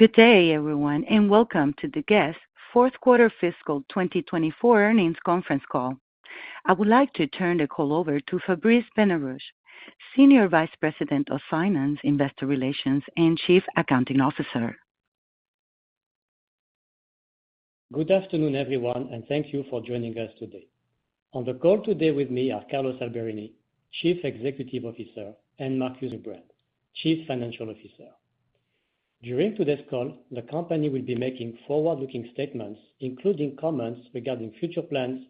Good day everyone, and welcome to the Guess Fourth Quarter Fiscal 2024 Earnings Conference Call. I would like to turn the call over to Fabrice Benarouche, Senior Vice President of Finance, Investor Relations, and Chief Accounting Officer. Good afternoon everyone, and thank you for joining us today. On the call today with me are Carlos Alberini, Chief Executive Officer, and Markus Neubrand, Chief Financial Officer. During today's call, the company will be making forward-looking statements, including comments regarding future plans,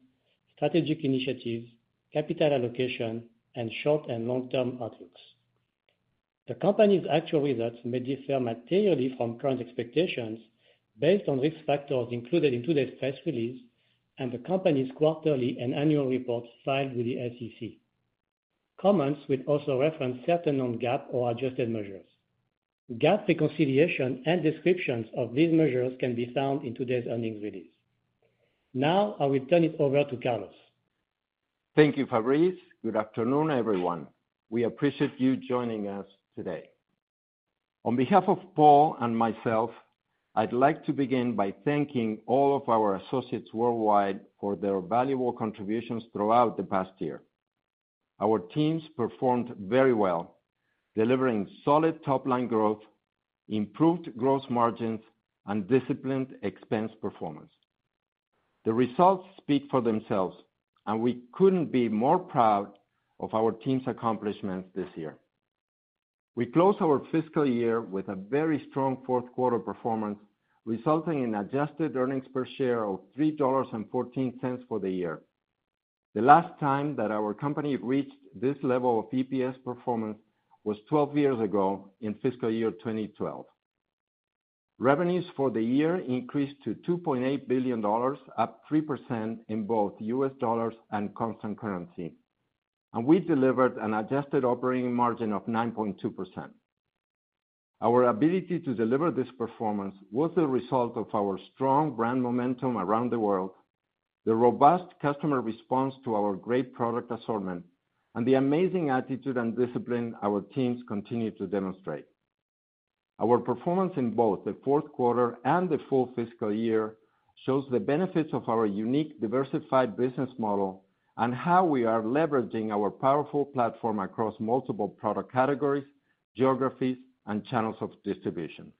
strategic initiatives, capital allocation, and short- and long-term outlooks. The company's actual results may differ materially from current expectations based on risk factors included in today's press release and the company's quarterly and annual reports filed with the SEC. Comments will also reference certain known GAAP or adjusted measures. GAAP reconciliation and descriptions of these measures can be found in today's earnings release. Now I will turn it over to Carlos. Thank you, Fabrice. Good afternoon everyone. We appreciate you joining us today. On behalf of Paul and myself, I'd like to begin by thanking all of our associates worldwide for their valuable contributions throughout the past year. Our teams performed very well, delivering solid top-line growth, improved gross margins, and disciplined expense performance. The results speak for themselves, and we couldn't be more proud of our team's accomplishments this year. We closed our fiscal year with a very strong fourth quarter performance, resulting in an adjusted earnings per share of $3.14 for the year. The last time that our company reached this level of EPS performance was 12 years ago in fiscal year 2012. Revenues for the year increased to $2.8 billion, up 3% in both U.S. dollars and constant currency, and we delivered an adjusted operating margin of 9.2%. Our ability to deliver this performance was the result of our strong brand momentum around the world, the robust customer response to our great product assortment, and the amazing attitude and discipline our teams continue to demonstrate. Our performance in both the fourth quarter and the full fiscal year shows the benefits of our unique, diversified business model and how we are leveraging our powerful platform across multiple product categories, geographies, and channels of distribution.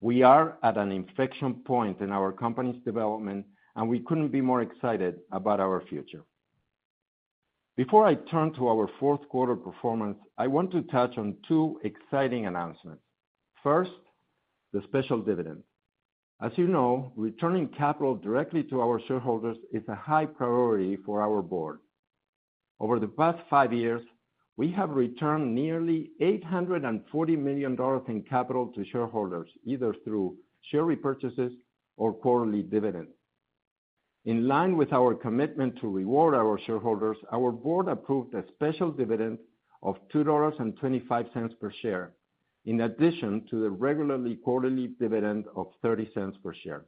We are at an inflection point in our company's development, and we couldn't be more excited about our future. Before I turn to our fourth quarter performance, I want to touch on two exciting announcements. First, the special dividend. As you know, returning capital directly to our shareholders is a high priority for our board. Over the past five years, we have returned nearly $840 million in capital to shareholders, either through share repurchases or quarterly dividends. In line with our commitment to reward our shareholders, our board approved a special dividend of $2.25 per share, in addition to the regular quarterly dividend of $0.30 per share.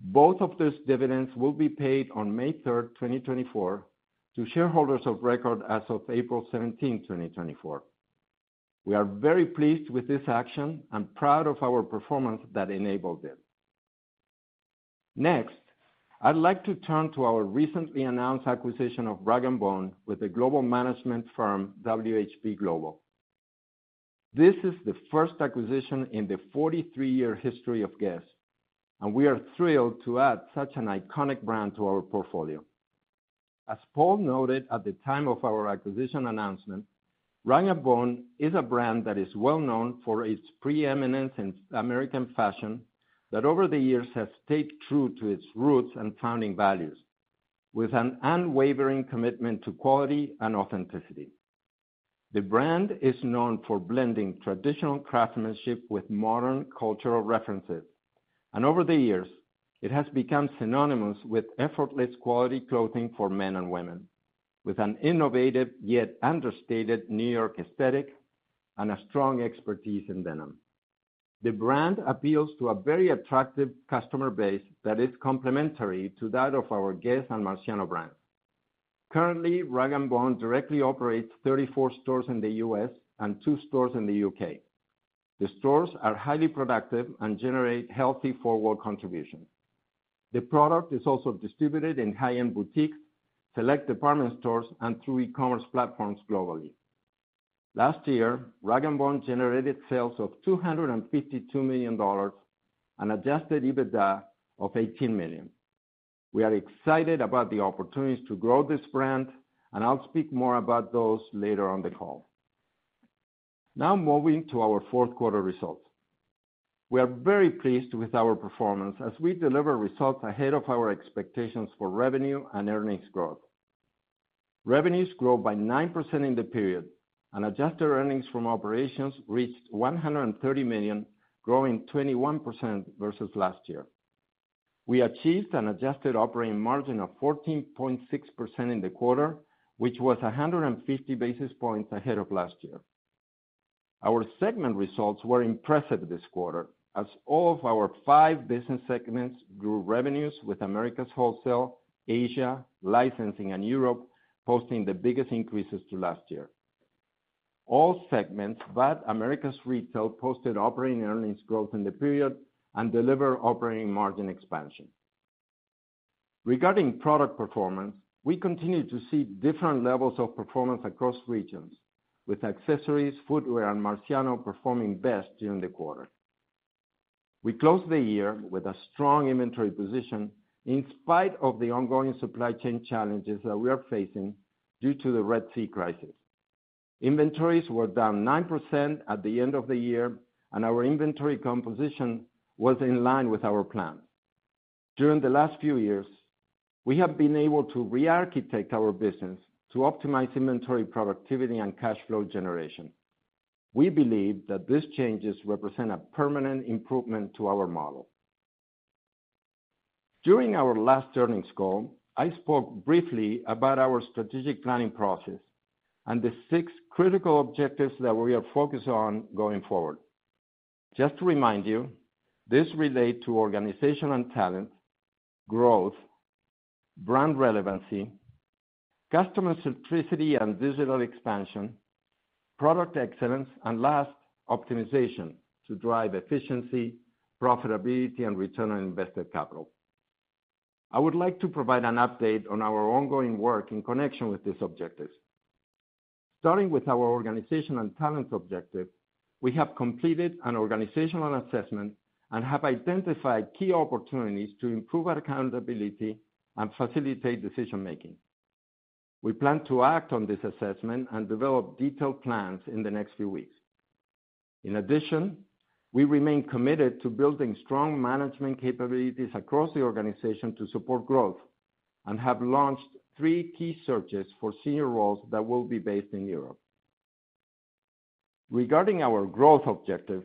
Both of these dividends will be paid on May 3, 2024, to shareholders of record as of April 17, 2024. We are very pleased with this action and proud of our performance that enabled it. Next, I'd like to turn to our recently announced acquisition of rag & bone with the global management firm WHP Global. This is the first acquisition in the 43-year history of Guess?, and we are thrilled to add such an iconic brand to our portfolio. As Paul noted at the time of our acquisition announcement, rag & bone is a brand that is well known for its preeminence in American fashion that over the years has stayed true to its roots and founding values, with an unwavering commitment to quality and authenticity. The brand is known for blending traditional craftsmanship with modern cultural references, and over the years, it has become synonymous with effortless quality clothing for men and women, with an innovative yet understated New York aesthetic and a strong expertise in denim. The brand appeals to a very attractive customer base that is complementary to that of our Guess? and Marciano brands. Currently, rag & bone directly operates 34 stores in the U.S. and two stores in the U.K. The stores are highly productive and generate healthy forward contributions. The product is also distributed in high-end boutiques, select department stores, and through e-commerce platforms globally. Last year, rag & bone generated sales of $252 million and Adjusted EBITDA of $18 million. We are excited about the opportunities to grow this brand, and I'll speak more about those later on the call. Now moving to our fourth quarter results. We are very pleased with our performance as we deliver results ahead of our expectations for revenue and earnings growth. Revenues grew by 9% in the period, and adjusted earnings from operations reached $130 million, growing 21% versus last year. We achieved an adjusted operating margin of 14.6% in the quarter, which was 150 basis points ahead of last year. Our segment results were impressive this quarter, as all of our five business segments grew revenues with Americas Wholesale, Asia, Licensing, and Europe, posting the biggest increases to last year. All segments but Americas Retail posted operating earnings growth in the period and delivered operating margin expansion. Regarding product performance, we continue to see different levels of performance across regions, with accessories, footwear, and Marciano performing best during the quarter. We closed the year with a strong inventory position in spite of the ongoing supply chain challenges that we are facing due to the Red Sea crisis. Inventories were down 9% at the end of the year, and our inventory composition was in line with our plan. During the last few years, we have been able to rearchitect our business to optimize inventory productivity and cash flow generation. We believe that these changes represent a permanent improvement to our model. During our last earnings call, I spoke briefly about our strategic planning process and the six critical objectives that we are focused on going forward. Just to remind you, these relate to organizational talent, growth, brand relevancy, customer centricity and digital expansion, product excellence, and last, optimization to drive efficiency, profitability, and return on invested capital. I would like to provide an update on our ongoing work in connection with these objectives. Starting with our organizational talent objective, we have completed an organizational assessment and have identified key opportunities to approve accountability and facilitate decision-making. We plan to act on this assessment and develop detailed plans in the next few weeks. In addition, we remain committed to building strong management capabilities across the organization to support growth and have launched three key searches for senior roles that will be based in Europe. Regarding our growth objective,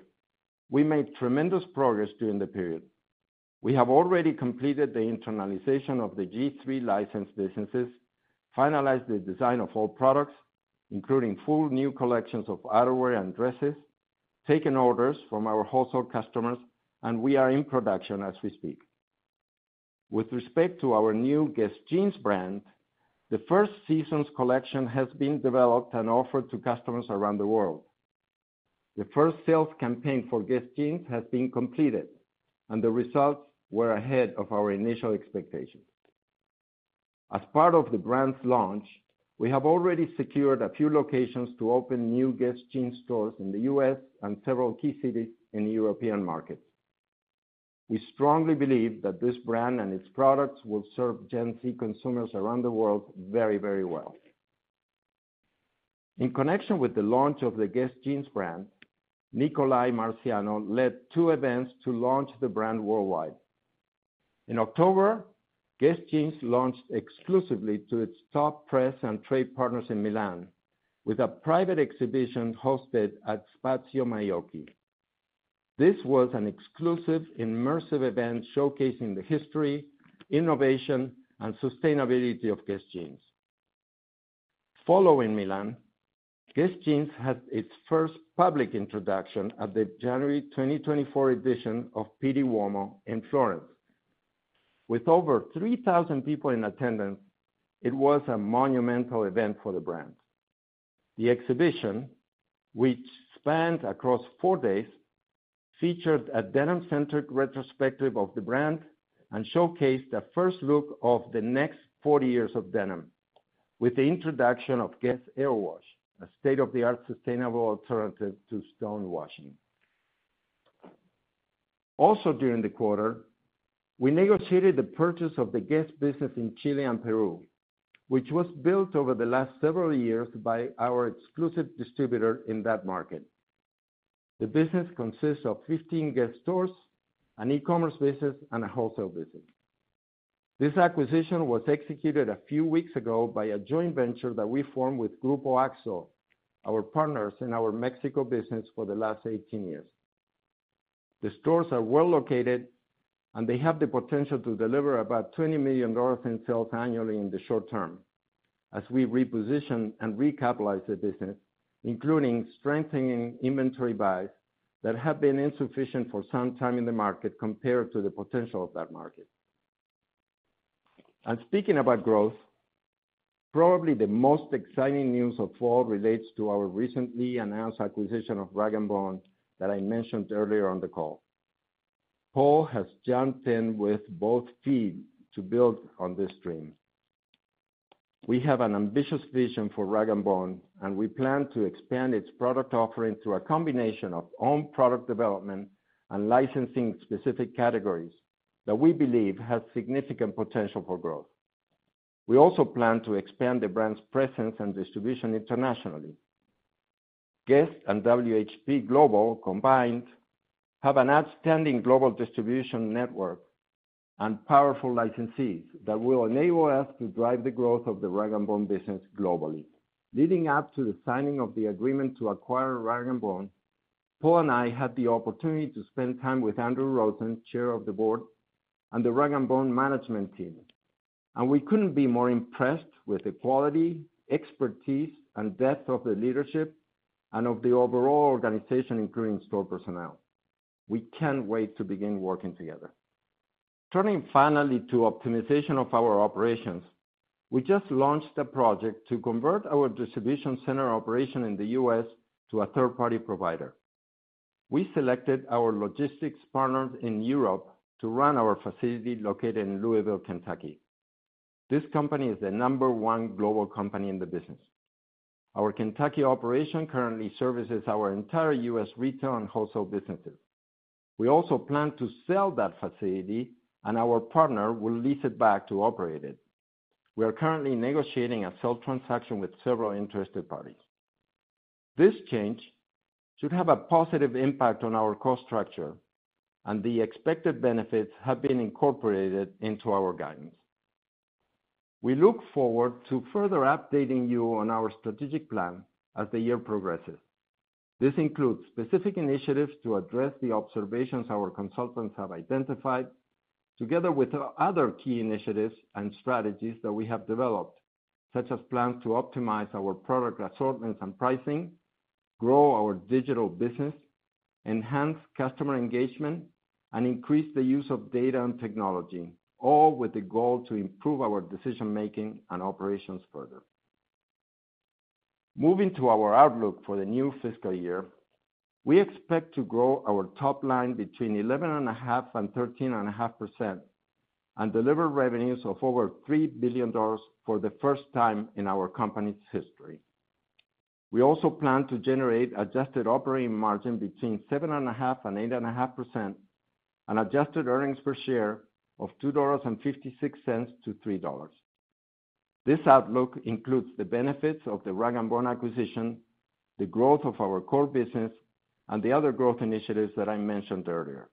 we made tremendous progress during the period. We have already completed the internalization of the G-III licensed businesses, finalized the design of all products, including full new collections of outerwear and dresses, taken orders from our wholesale customers, and we are in production as we speak. With respect to our Guess Jeans brand, the first season's collection has been developed and offered to customers around the world. The first sales campaign Guess Jeans has been completed, and the results were ahead of our initial expectations. As part of the brand's launch, we have already secured a few locations to open Guess Jeans stores in the U.S. and several key cities in European markets. We strongly believe that this brand and its products will serve Gen Z consumers around the world very, very well. In connection with the launch of Guess Jeans brand, Nicolai Marciano led two events to launch the brand worldwide. Guess Jeans launched exclusively to its top press and trade partners in Milan with a private exhibition hosted at Spazio Maiocchi. This was an exclusive, immersive event showcasing the history, innovation, and sustainability Guess Jeans. following Guess Jeans had its first public introduction at the January 2024 edition of Pitti Uomo in Florence. With over 3,000 people in attendance, it was a monumental event for the brand. The exhibition, which spanned across four days, featured a denim-centric retrospective of the brand and showcased a first look of the next 40 years of denim, with the introduction of GUESS AIRWASH, a state-of-the-art sustainable alternative to stone washing. Also during the quarter, we negotiated the purchase of the Guess business in Chile and Peru, which was built over the last several years by our exclusive distributor in that market. The business consists of 15 Guess? stores, an e-commerce business, and a wholesale business. This acquisition was executed a few weeks ago by a joint venture that we formed with Grupo Axo, our partners in our Mexico business for the last 18 years. The stores are well located, and they have the potential to deliver about $20 million in sales annually in the short term as we reposition and recapitalize the business, including strengthening inventory buys that have been insufficient for some time in the market compared to the potential of that market. And speaking about growth, probably the most exciting news of all relates to our recently announced acquisition of rag & bone that I mentioned earlier on the call. Paul has jumped in with both feet to build on this dream. We have an ambitious vision for rag & bone, and we plan to expand its product offering through a combination of own product development and Licensing-specific categories that we believe have significant potential for growth. We also plan to expand the brand's presence and distribution internationally. Guess and WHP Global combined have an outstanding global distribution network and powerful licensees that will enable us to drive the growth of the rag & bone business globally. Leading up to the signing of the agreement to acquire rag & bone, Paul and I had the opportunity to spend time with Andrew Rosen, Chair of the Board, and the rag & bone management team. We couldn't be more impressed with the quality, expertise, and depth of the leadership and of the overall organization, including store personnel. We can't wait to begin working together. Turning finally to optimization of our operations, we just launched a project to convert our distribution center operation in the U.S. to a third-party provider. We selected our logistics partners in Europe to run our facility located in Louisville, Kentucky. This company is the number one global company in the business. Our Kentucky operation currently services our entire U.S. retail and wholesale businesses. We also plan to sell that facility, and our partner will lease it back to operate it. We are currently negotiating a sale transaction with several interested parties. This change should have a positive impact on our cost structure, and the expected benefits have been incorporated into our guidance. We look forward to further updating you on our strategic plan as the year progresses. This includes specific initiatives to address the observations our consultants have identified, together with other key initiatives and strategies that we have developed, such as plans to optimize our product assortments and pricing, grow our digital business, enhance customer engagement, and increase the use of data and technology, all with the goal to approve our decision-making and operations further. Moving to our outlook for the new fiscal year, we expect to grow our top line between 11.5%-13.5% and deliver revenues of over $3 billion for the first time in our company's history. We also plan to generate adjusted operating margin between 7.5%-8.5% and adjusted earnings per share of $2.56-$3. This outlook includes the benefits of the rag & bone acquisition, the growth of our core business, and the other growth initiatives that I mentioned earlier.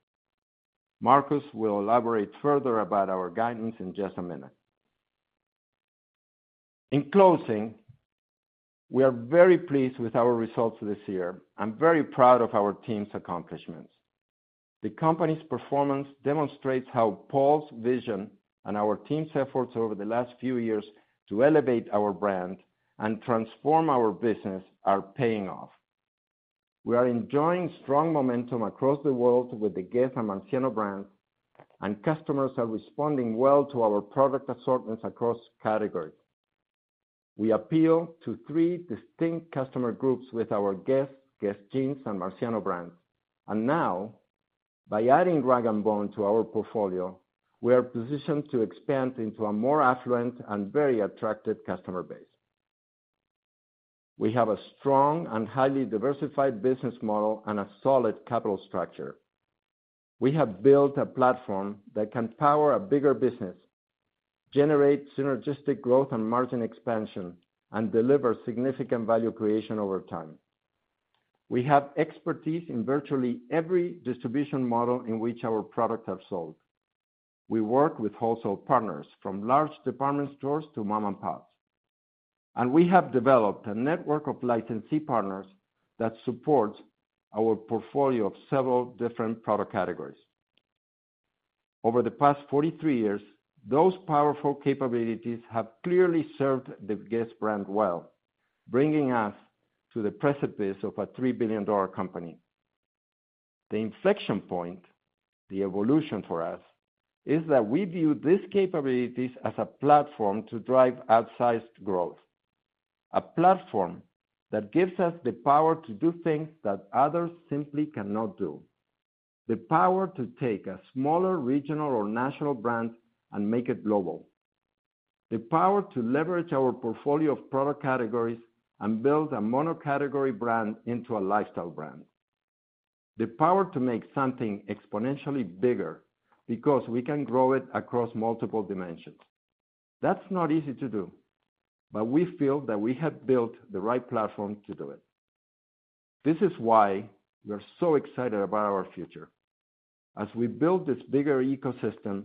Markus will elaborate further about our guidance in just a minute. In closing, we are very pleased with our results this year and very proud of our team's accomplishments. The company's performance demonstrates how Paul's vision and our team's efforts over the last few years to elevate our brand and transform our business are paying off. We are enjoying strong momentum across the world with the Guess and Marciano brands, and customers are responding well to our product assortments across categories. We appeal to three distinct customer groups with our Guess, Guess Jeans, and Marciano brands. And now, by adding rag & bone to our portfolio, we are positioned to expand into a more affluent and very attractive customer base. We have a strong and highly diversified business model and a solid capital structure. We have built a platform that can power a bigger business, generate synergistic growth and margin expansion, and deliver significant value creation over time. We have expertise in virtually every distribution model in which our products have sold. We work with wholesale partners, from large department stores to mom-and-pops. We have developed a network of licensee partners that supports our portfolio of several different product categories. Over the past 43 years, those powerful capabilities have clearly served the Guess brand well, bringing us to the precipice of a $3 billion company. The inflection point, the evolution for us, is that we view these capabilities as a platform to drive outsized growth, a platform that gives us the power to do things that others simply cannot do, the power to take a smaller regional or national brand and make it global, the power to leverage our portfolio of product categories and build a monocategory brand into a lifestyle brand, the power to make something exponentially bigger because we can grow it across multiple dimensions. That's not easy to do, but we feel that we have built the right platform to do it. This is why we are so excited about our future. As we build this bigger ecosystem,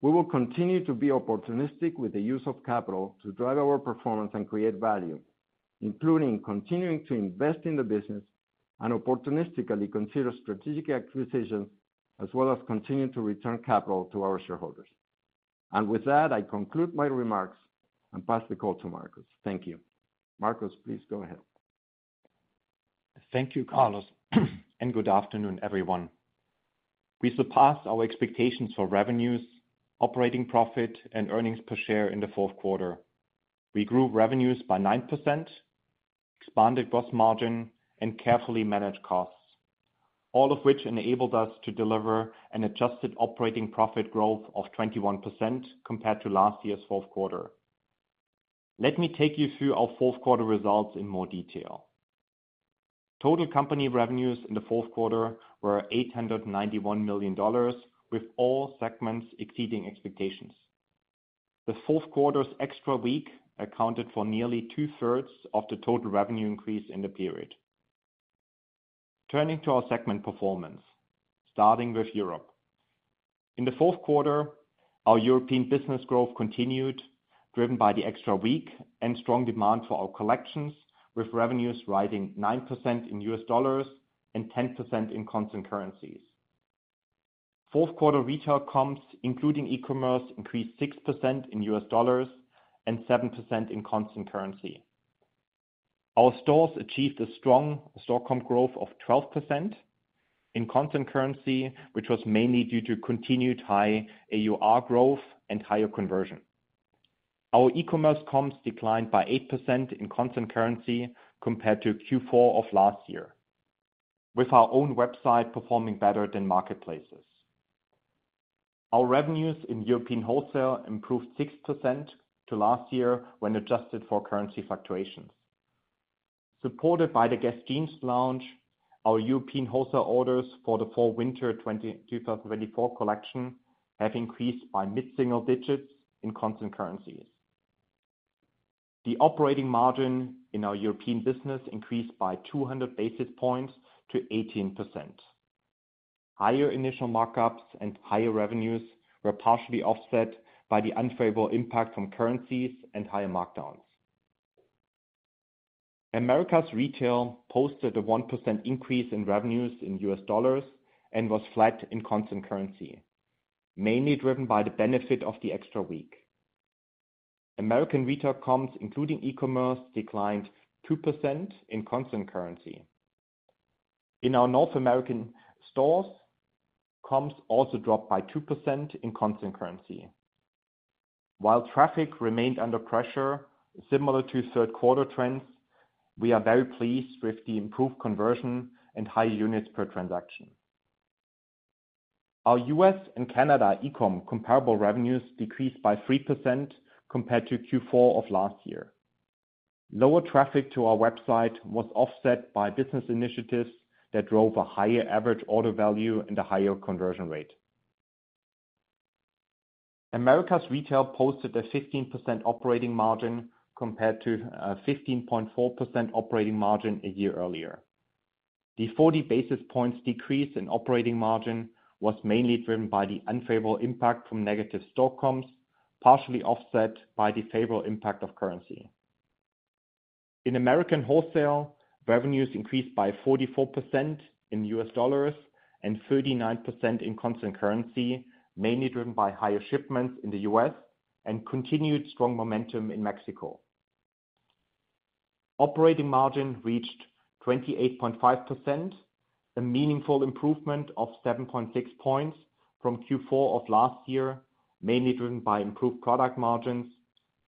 we will continue to be opportunistic with the use of capital to drive our performance and create value, including continuing to invest in the business and opportunistically consider strategic acquisitions as well as continue to return capital to our shareholders. And with that, I conclude my remarks and pass the call to Markus. Thank you. Markus, please go ahead. Thank you, Carlos, and good afternoon, everyone. We surpassed our expectations for revenues, operating profit, and earnings per share in the fourth quarter. We grew revenues by 9%, expanded gross margin, and carefully managed costs, all of which enabled us to deliver an adjusted operating profit growth of 21% compared to last year's fourth quarter. Let me take you through our fourth quarter results in more detail. Total company revenues in the fourth quarter were $891 million, with all segments exceeding expectations. The fourth quarter's extra week accounted for nearly two-thirds of the total revenue increase in the period. Turning to our segment performance, starting with Europe. In the fourth quarter, our European business growth continued, driven by the extra week and strong demand for our collections, with revenues rising 9% in U.S. dollars and 10% in constant currency. Fourth-quarter retail comps, including e-commerce, increased 6% in U.S. dollars and 7% in constant currency. Our stores achieved a strong comp sales growth of 12% in constant currency, which was mainly due to continued high AUR growth and higher conversion. Our e-commerce comps declined by 8% in constant currency compared to Q4 of last year, with our own website performing better than marketplaces. Our revenues in European wholesale improved 6% to last year when adjusted for currency fluctuations. Supported by Guess Jeans launch, our European wholesale orders for the fall-winter 2024 collection have increased by mid-single digits in constant currencies. The operating margin in our European business increased by 200 basis points to 18%. Higher initial markups and higher revenues were partially offset by the unfavorable impact from currencies and higher markdowns. Americas Retail posted a 1% increase in revenues in US dollars and was constant currency, mainly driven by the benefit of the extra week. Americas Retail comps, including e-commerce, declined in constant currency. in our North American stores, comps also dropped by constant currency. while traffic remained under pressure, similar to third-quarter trends, we are very pleased with the improved conversion and higher units per transaction. Our US and Canada e-com comparable revenues decreased by 3% compared to Q4 of last year. Lower traffic to our website was offset by business initiatives that drove a higher average order value and a higher conversion rate. Americas Retail posted a 15% operating margin compared to a 15.4% operating margin a year earlier. The 40 basis points decrease in operating margin was mainly driven by the unfavorable impact from negative comps, partially offset by the favorable impact of currency. In Americas Wholesale, revenues increased by 44% in U.S. dollars and 39% in constant currency, mainly driven by higher shipments in the U.S. and continued strong momentum in Mexico. Operating margin reached 28.5%, a meaningful improvement of 7.6 points from Q4 of last year, mainly driven by improved product margins,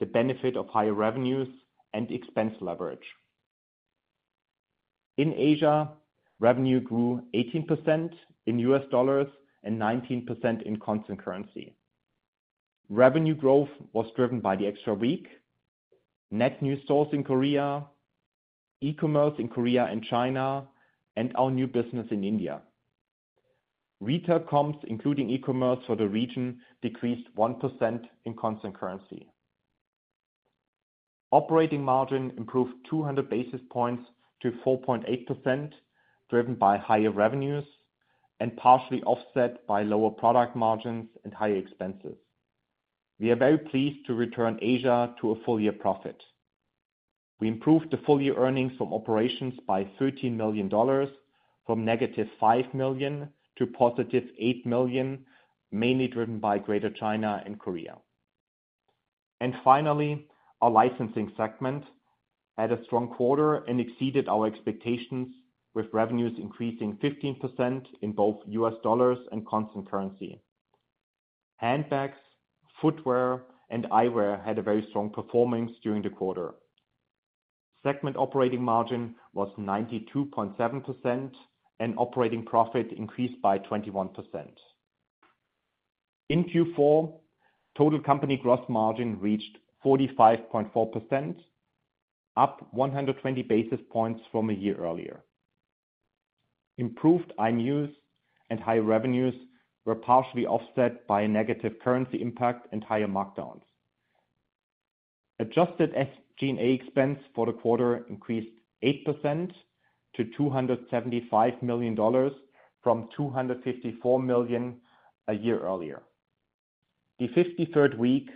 the benefit of higher revenues, and expense leverage. In Asia, revenue grew 18% in U.S. dollars and 19% in constant currency. Revenue growth was driven by the extra week, net new stores in Korea, e-commerce in Korea and China, and our new business in India. Retail comps, including e-commerce for the region, decreased 1% in constant currency. Operating margin improved 200 basis points to 4.8%, driven by higher revenues and partially offset by lower product margins and higher expenses. We are very pleased to return Asia to a full-year profit. We improved the full-year earnings from operations by $13 million, from -$5 million to +$8 million, mainly driven by Greater China and Korea. And finally, our Licensing segment had a strong quarter and exceeded our expectations, with revenues increasing 15% in both U.S. dollars and constant currency. handbags, footwear, and eyewear had a very strong performance during the quarter. Segment operating margin was 92.7%, and operating profit increased by 21%. In Q4, total company gross margin reached 45.4%, up 120 basis points from a year earlier. Improved eyewear and higher revenues were partially offset by a negative currency impact and higher markdowns. Adjusted SG&A expense for the quarter increased 8% to $275 million from $254 million a year earlier. The 53rd week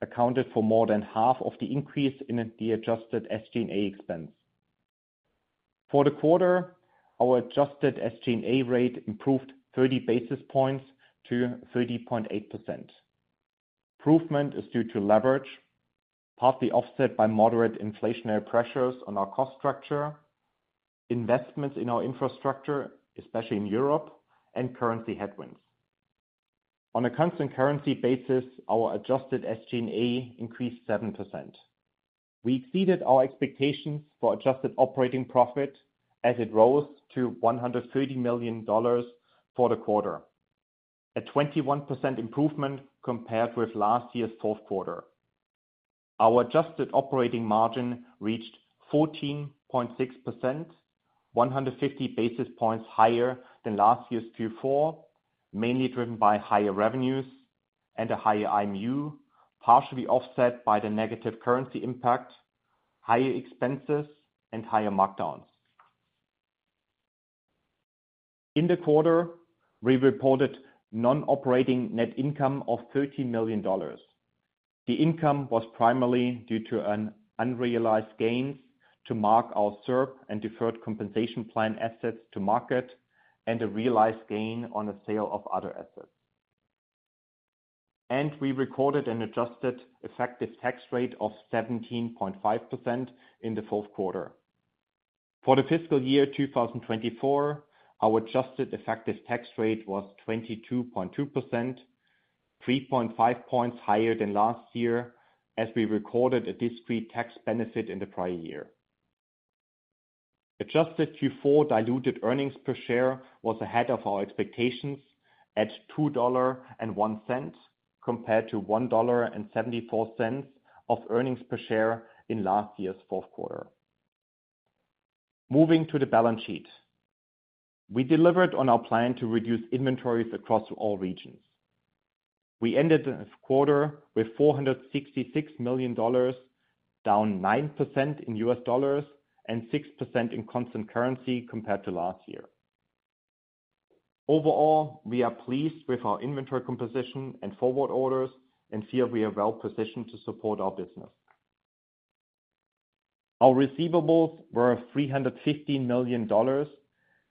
accounted for more than half of the increase in the adjusted SG&A expense. For the quarter, our adjusted SG&A rate improved 30 basis points to 30.8%. Improvement is due to leverage, partly offset by moderate inflationary pressures on our cost structure, investments in our infrastructure, especially in Europe, and currency headwinds. constant currency basis, our adjusted SG&A increased 7%. We exceeded our expectations for adjusted operating profit as it rose to $130 million for the quarter, a 21% improvement compared with last year's fourth quarter. Our adjusted operating margin reached 14.6%, 150 basis points higher than last year's Q4, mainly driven by higher revenues and a higher IMU, partially offset by the negative currency impact, higher expenses, and higher markdowns. In the quarter, we reported non-operating net income of $30 million. The income was primarily due to unrealized gains to mark our SERP and deferred compensation plan assets to market and a realized gain on a sale of other assets. We recorded an adjusted effective tax rate of 17.5% in the fourth quarter. For the fiscal year 2024, our adjusted effective tax rate was 22.2%, 3.5 points higher than last year as we recorded a discrete tax benefit in the prior year. Adjusted Q4 diluted earnings per share was ahead of our expectations at $2.01 compared to $1.74 of earnings per share in last year's fourth quarter. Moving to the balance sheet, we delivered on our plan to reduce inventories across all regions. We ended the quarter with $466 million, down 9% in U.S. dollars and 6% in constant currency compared to last year. Overall, we are pleased with our inventory composition and forward orders and feel we are well positioned to support our business. Our receivables were $315 million,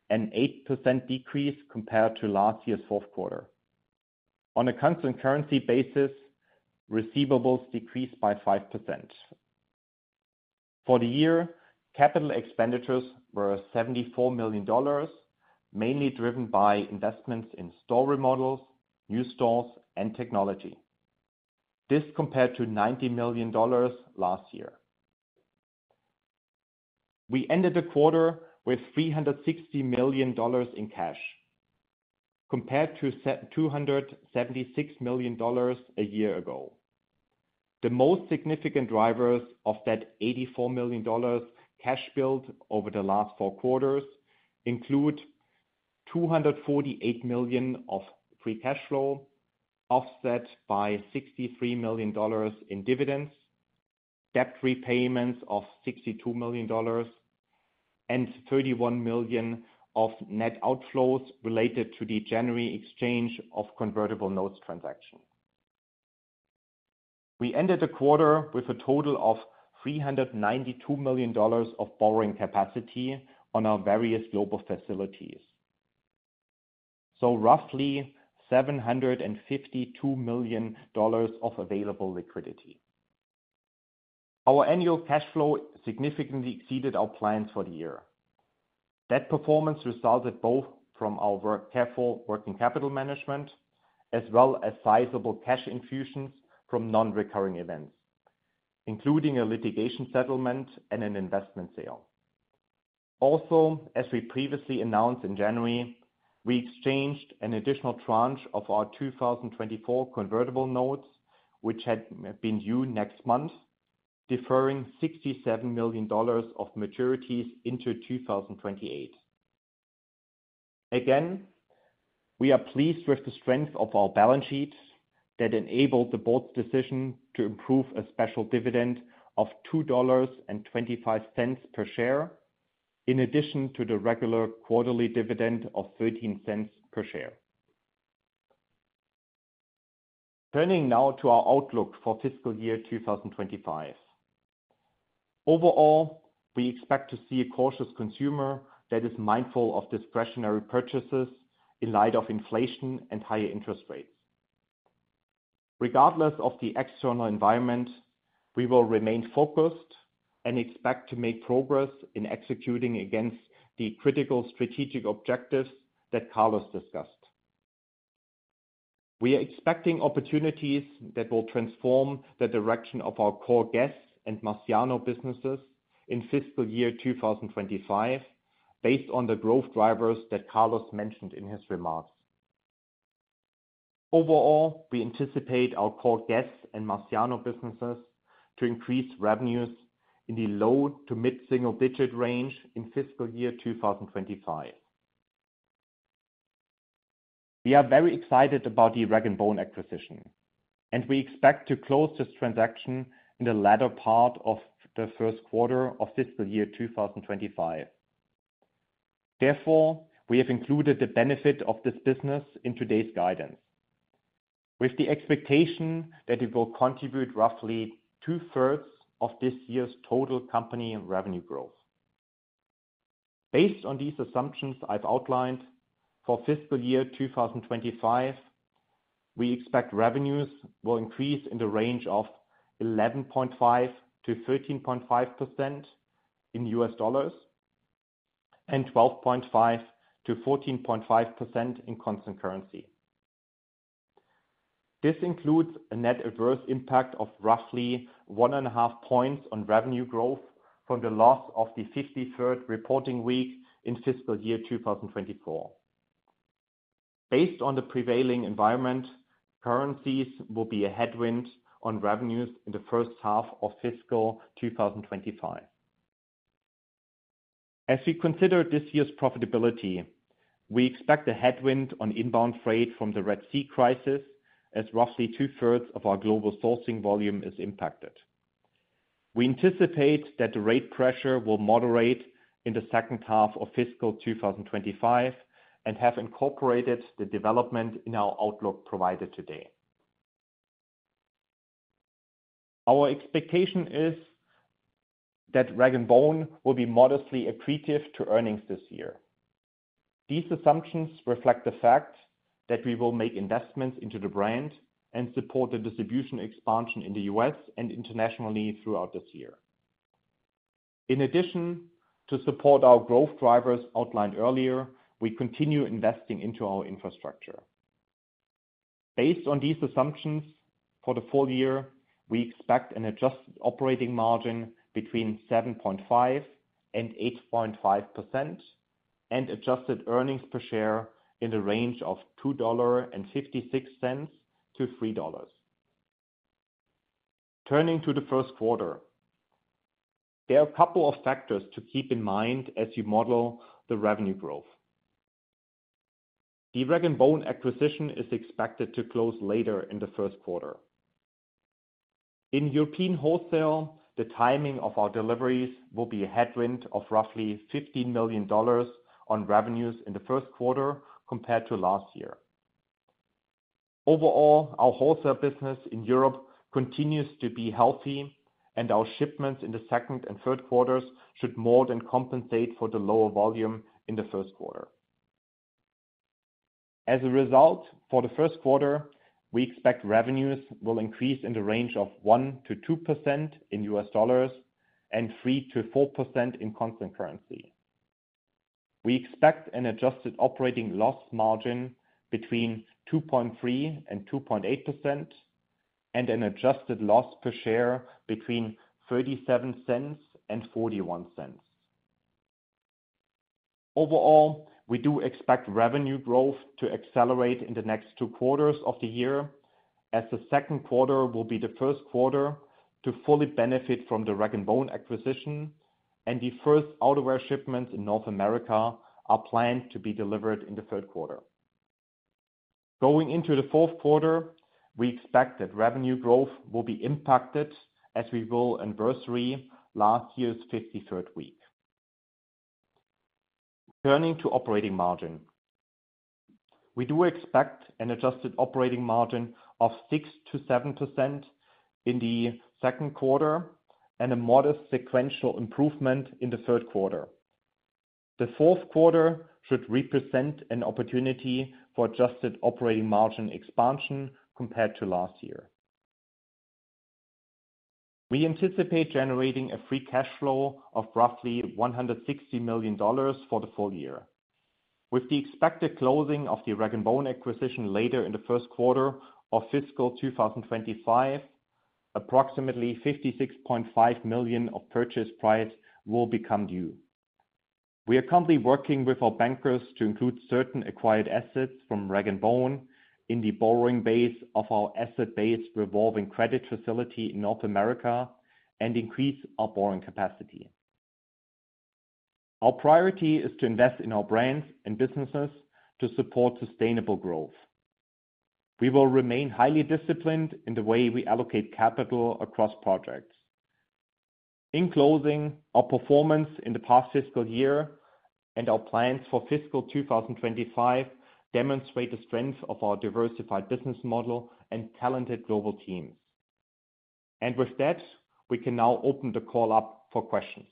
an 8% decrease compared to last year's fourth quarter. constant currency basis, receivables decreased by 5%. For the year, capital expenditures were $74 million, mainly driven by investments in store remodels, new stores, and technology. This compared to $90 million last year. We ended the quarter with $360 million in cash compared to $276 million a year ago. The most significant drivers of that $84 million cash build over the last four quarters include $248 million of free cash flow, offset by $63 million in dividends, debt repayments of $62 million, and $31 million of net outflows related to the January exchange of convertible notes transaction. We ended the quarter with a total of $392 million of borrowing capacity on our various global facilities, so roughly $752 million of available liquidity. Our annual cash flow significantly exceeded our plans for the year. That performance resulted both from our careful working capital management as well as sizable cash infusions from non-recurring events, including a litigation settlement and an investment sale. Also, as we previously announced in January, we exchanged an additional tranche of our 2024 convertible notes, which had been due next month, deferring $67 million of maturities into 2028. Again, we are pleased with the strength of our balance sheet that enabled the board's decision to approve a special dividend of $2.25 per share in addition to the regular quarterly dividend of $0.13 per share. Turning now to our outlook for fiscal year 2025. Overall, we expect to see a cautious consumer that is mindful of discretionary purchases in light of inflation and higher interest rates. Regardless of the external environment, we will remain focused and expect to make progress in executing against the critical strategic objectives that Carlos discussed. We are expecting opportunities that will transform the direction of our core Guess and Marciano businesses in fiscal year 2025 based on the growth drivers that Carlos mentioned in his remarks. Overall, we anticipate our core Guess and Marciano businesses to increase revenues in the low to mid-single digit range in fiscal year 2025. We are very excited about the rag & bone acquisition, and we expect to close this transaction in the latter part of the first quarter of fiscal year 2025. Therefore, we have included the benefit of this business in today's guidance with the expectation that it will contribute roughly two-thirds of this year's total company revenue growth. Based on these assumptions I've outlined, for fiscal year 2025, we expect revenues will increase in the range of 11.5%-13.5% in US dollars and constant currency. this includes a net adverse impact of roughly 1.5 points on revenue growth from the loss of the 53rd reporting week in fiscal year 2024. Based on the prevailing environment, currencies will be a headwind on revenues in the first half of fiscal 2025. As we consider this year's profitability, we expect a headwind on inbound freight from the Red Sea crisis as roughly two-thirds of our global sourcing volume is impacted. We anticipate that the rate pressure will moderate in the second half of fiscal 2025 and have incorporated the development in our outlook provided today. Our expectation is that rag & bone will be modestly accretive to earnings this year. These assumptions reflect the fact that we will make investments into the brand and support the distribution expansion in the U.S. and internationally throughout this year. In addition to support our growth drivers outlined earlier, we continue investing into our infrastructure. Based on these assumptions for the full year, we expect an adjusted operating margin between 7.5%-8.5% and adjusted earnings per share in the range of $2.56-$3. Turning to the first quarter, there are a couple of factors to keep in mind as you model the revenue growth. The rag & bone acquisition is expected to close later in the first quarter. In European wholesale, the timing of our deliveries will be a headwind of roughly $15 million on revenues in the first quarter compared to last year. Overall, our wholesale business in Europe continues to be healthy, and our shipments in the second and third quarters should more than compensate for the lower volume in the first quarter. As a result, for the first quarter, we expect revenues will increase in the range of 1%-2% in US dollars and constant currency. we expect an adjusted operating loss margin between 2.3%-2.8% and an adjusted loss per share between $0.37-$0.41. Overall, we do expect revenue growth to accelerate in the next two quarters of the year as the second quarter will be the first quarter to fully benefit from the rag & bone acquisition, and the first outerwear shipments in North America are planned to be delivered in the third quarter. Going into the fourth quarter, we expect that revenue growth will be impacted as we will anniversary last year's 53rd week. Turning to operating margin. We do expect an adjusted operating margin of 6%-7% in the second quarter and a modest sequential improvement in the third quarter. The fourth quarter should represent an opportunity for adjusted operating margin expansion compared to last year. We anticipate generating a free cash flow of roughly $160 million for the full year. With the expected closing of the rag & bone acquisition later in the first quarter of fiscal 2025, approximately $56.5 million of purchase price will become due. We are currently working with our bankers to include certain acquired assets from rag & bone in the borrowing base of our asset-based revolving credit facility in North America and increase our borrowing capacity. Our priority is to invest in our brands and businesses to support sustainable growth. We will remain highly disciplined in the way we allocate capital across projects. In closing, our performance in the past fiscal year and our plans for fiscal 2025 demonstrate the strength of our diversified business model and talented global teams. And with that, we can now open the call up for questions.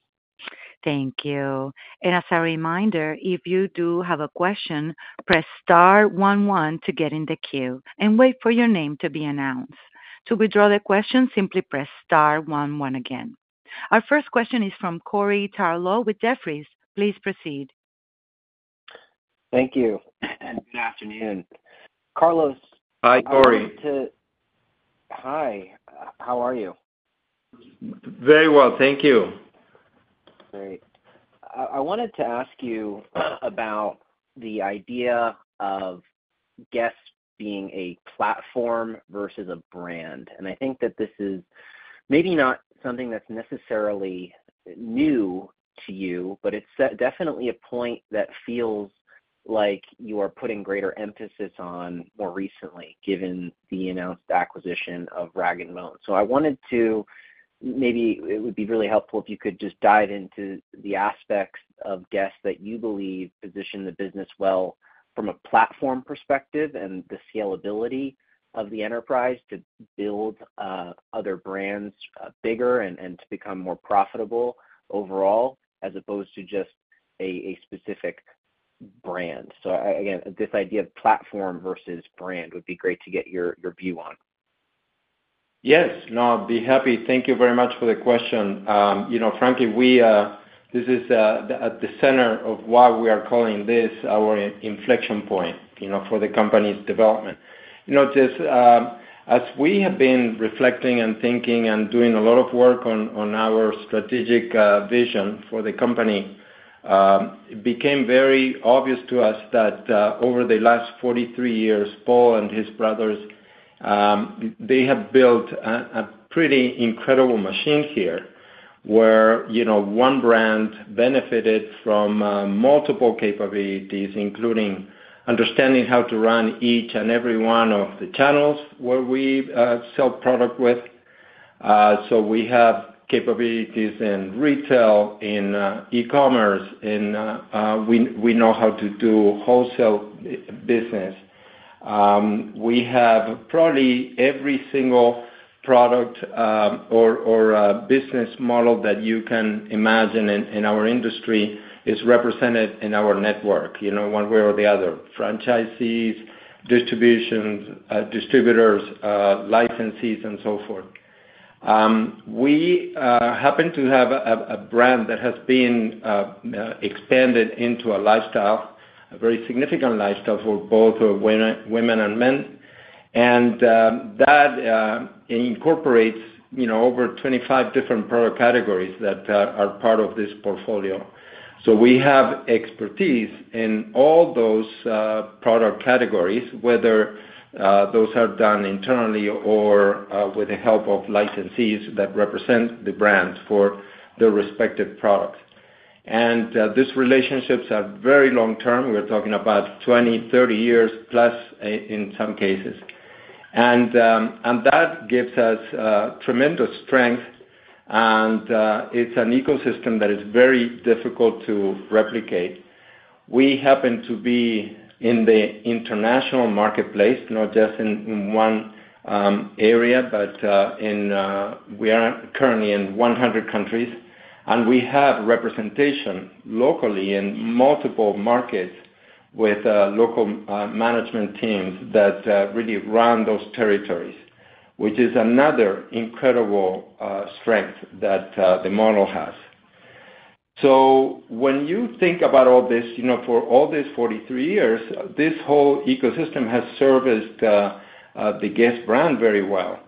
Thank you. And as a reminder, if you do have a question, press star 11 to get in the queue and wait for your name to be announced. To withdraw the question, simply press star 11 again. Our first question is from Corey Tarlowe with Jefferies. Please proceed. Thank you. Good afternoon. Carlos. Hi, Cory. Hi. How are you? Very well. Thank you. Great. I wanted to ask you about the idea of Guess? being a platform versus a brand. And I think that this is maybe not something that's necessarily new to you, but it's definitely a point that feels like you are putting greater emphasis on more recently given the announced acquisition of rag & bone. So I wanted to maybe it would be really helpful if you could just dive into the aspects of Guess? that you believe position the business well from a platform perspective and the scalability of the enterprise to build other brands bigger and to become more profitable overall as opposed to just a specific brand. So again, this idea of platform versus brand would be great to get your view on. Yes. No, I'd be happy. Thank you very much for the question. Frankly, this is at the center of why we are calling this our inflection point for the company's development. As we have been reflecting and thinking and doing a lot of work on our strategic vision for the company, it became very obvious to us that over the last 43 years, Paul and his brothers, they have built a pretty incredible machine here where one brand benefited from multiple capabilities, including understanding how to run each and every one of the channels where we sell product with. So we have capabilities in retail, in e-commerce, and we know how to do wholesale business. We have probably every single product or business model that you can imagine in our industry is represented in our network one way or the other: franchisees, distributors, licensees, and so forth. We happen to have a brand that has been expanded into a lifestyle, a very significant lifestyle for both women and men. And that incorporates over 25 different product categories that are part of this portfolio. So we have expertise in all those product categories, whether those are done internally or with the help of licensees that represent the brands for their respective products. And these relationships are very long-term. We're talking about 20, 30 years plus in some cases. And that gives us tremendous strength, and it's an ecosystem that is very difficult to replicate. We happen to be in the international marketplace, not just in one area, but we are currently in 100 countries. And we have representation locally in multiple markets with local management teams that really run those territories, which is another incredible strength that the model has. So when you think about all this, for all these 43 years, this whole ecosystem has serviced the Guess? brand very well.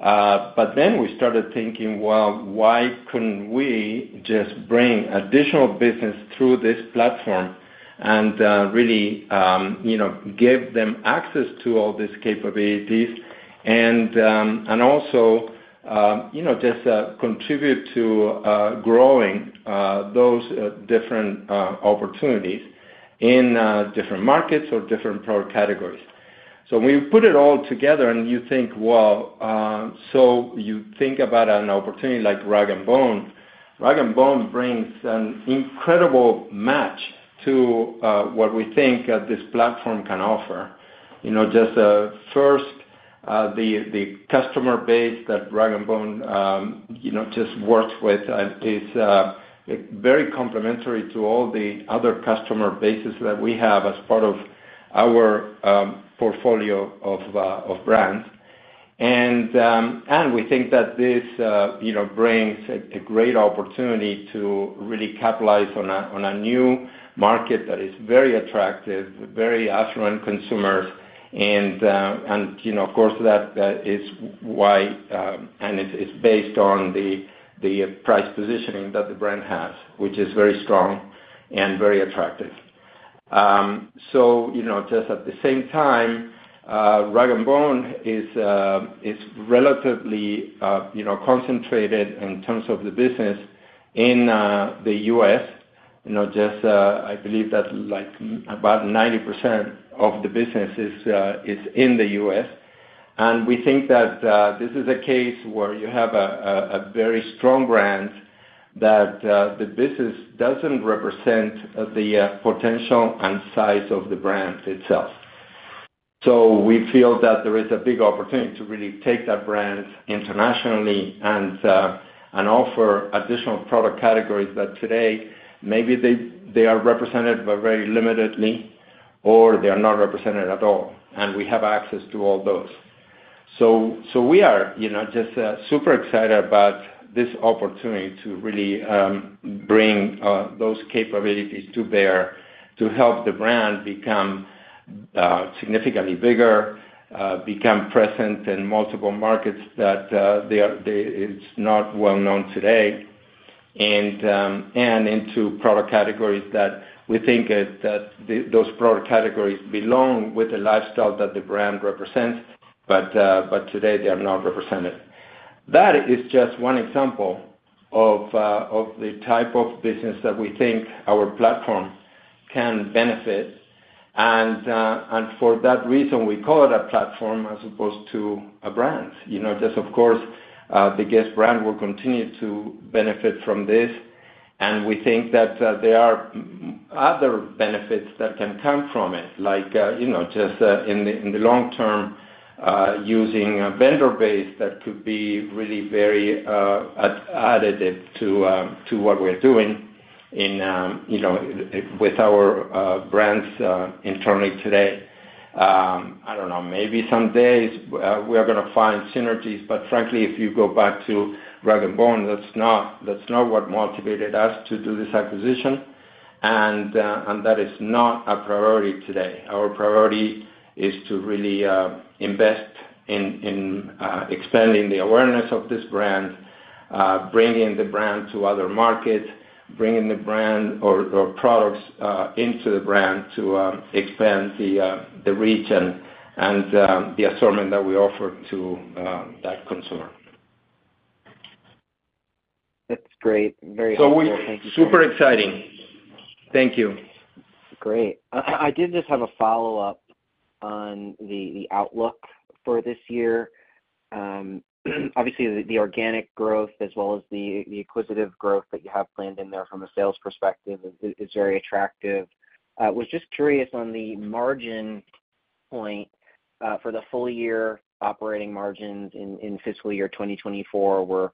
But then we started thinking, "Well, why couldn't we just bring additional business through this platform and really give them access to all these capabilities and also just contribute to growing those different opportunities in different markets or different product categories?" So when you put it all together and you think, well, so you think about an opportunity like rag & bone. rag & bone brings an incredible match to what we think this platform can offer. Just first, the customer base that rag & bone just works with is very complementary to all the other customer bases that we have as part of our portfolio of brands. And we think that this brings a great opportunity to really capitalize on a new market that is very attractive, very affluent consumers. Of course, that is why and it's based on the price positioning that the brand has, which is very strong and very attractive. So just at the same time, rag & bone is relatively concentrated in terms of the business in the U.S. I believe that about 90% of the business is in the U.S. And we think that this is a case where you have a very strong brand that the business doesn't represent the potential and size of the brand itself. So we feel that there is a big opportunity to really take that brand internationally and offer additional product categories that today, maybe they are represented but very limitedly, or they are not represented at all. And we have access to all those. So we are just super excited about this opportunity to really bring those capabilities to bear to help the brand become significantly bigger, become present in multiple markets that it's not well known today, and into product categories that we think that those product categories belong with the lifestyle that the brand represents, but today they are not represented. That is just one example of the type of business that we think our platform can benefit. And for that reason, we call it a platform as opposed to a brand. Just of course, the Guess brand will continue to benefit from this, and we think that there are other benefits that can come from it, like just in the long-term using a vendor base that could be really very additive to what we're doing with our brands internally today. I don't know. Maybe someday we are going to find synergies. But frankly, if you go back to rag & bone, that's not what motivated us to do this acquisition, and that is not a priority today. Our priority is to really invest in expanding the awareness of this brand, bringing the brand to other markets, bringing the brand or products into the brand to expand the reach and the assortment that we offer to that consumer. That's great. Very helpful. Thank you. We're super exciting. Thank you. Great. I did just have a follow-up on the outlook for this year. Obviously, the organic growth as well as the acquisitive growth that you have planned in there from a sales perspective is very attractive. I was just curious on the margin point for the full-year operating margins in fiscal year 2024 were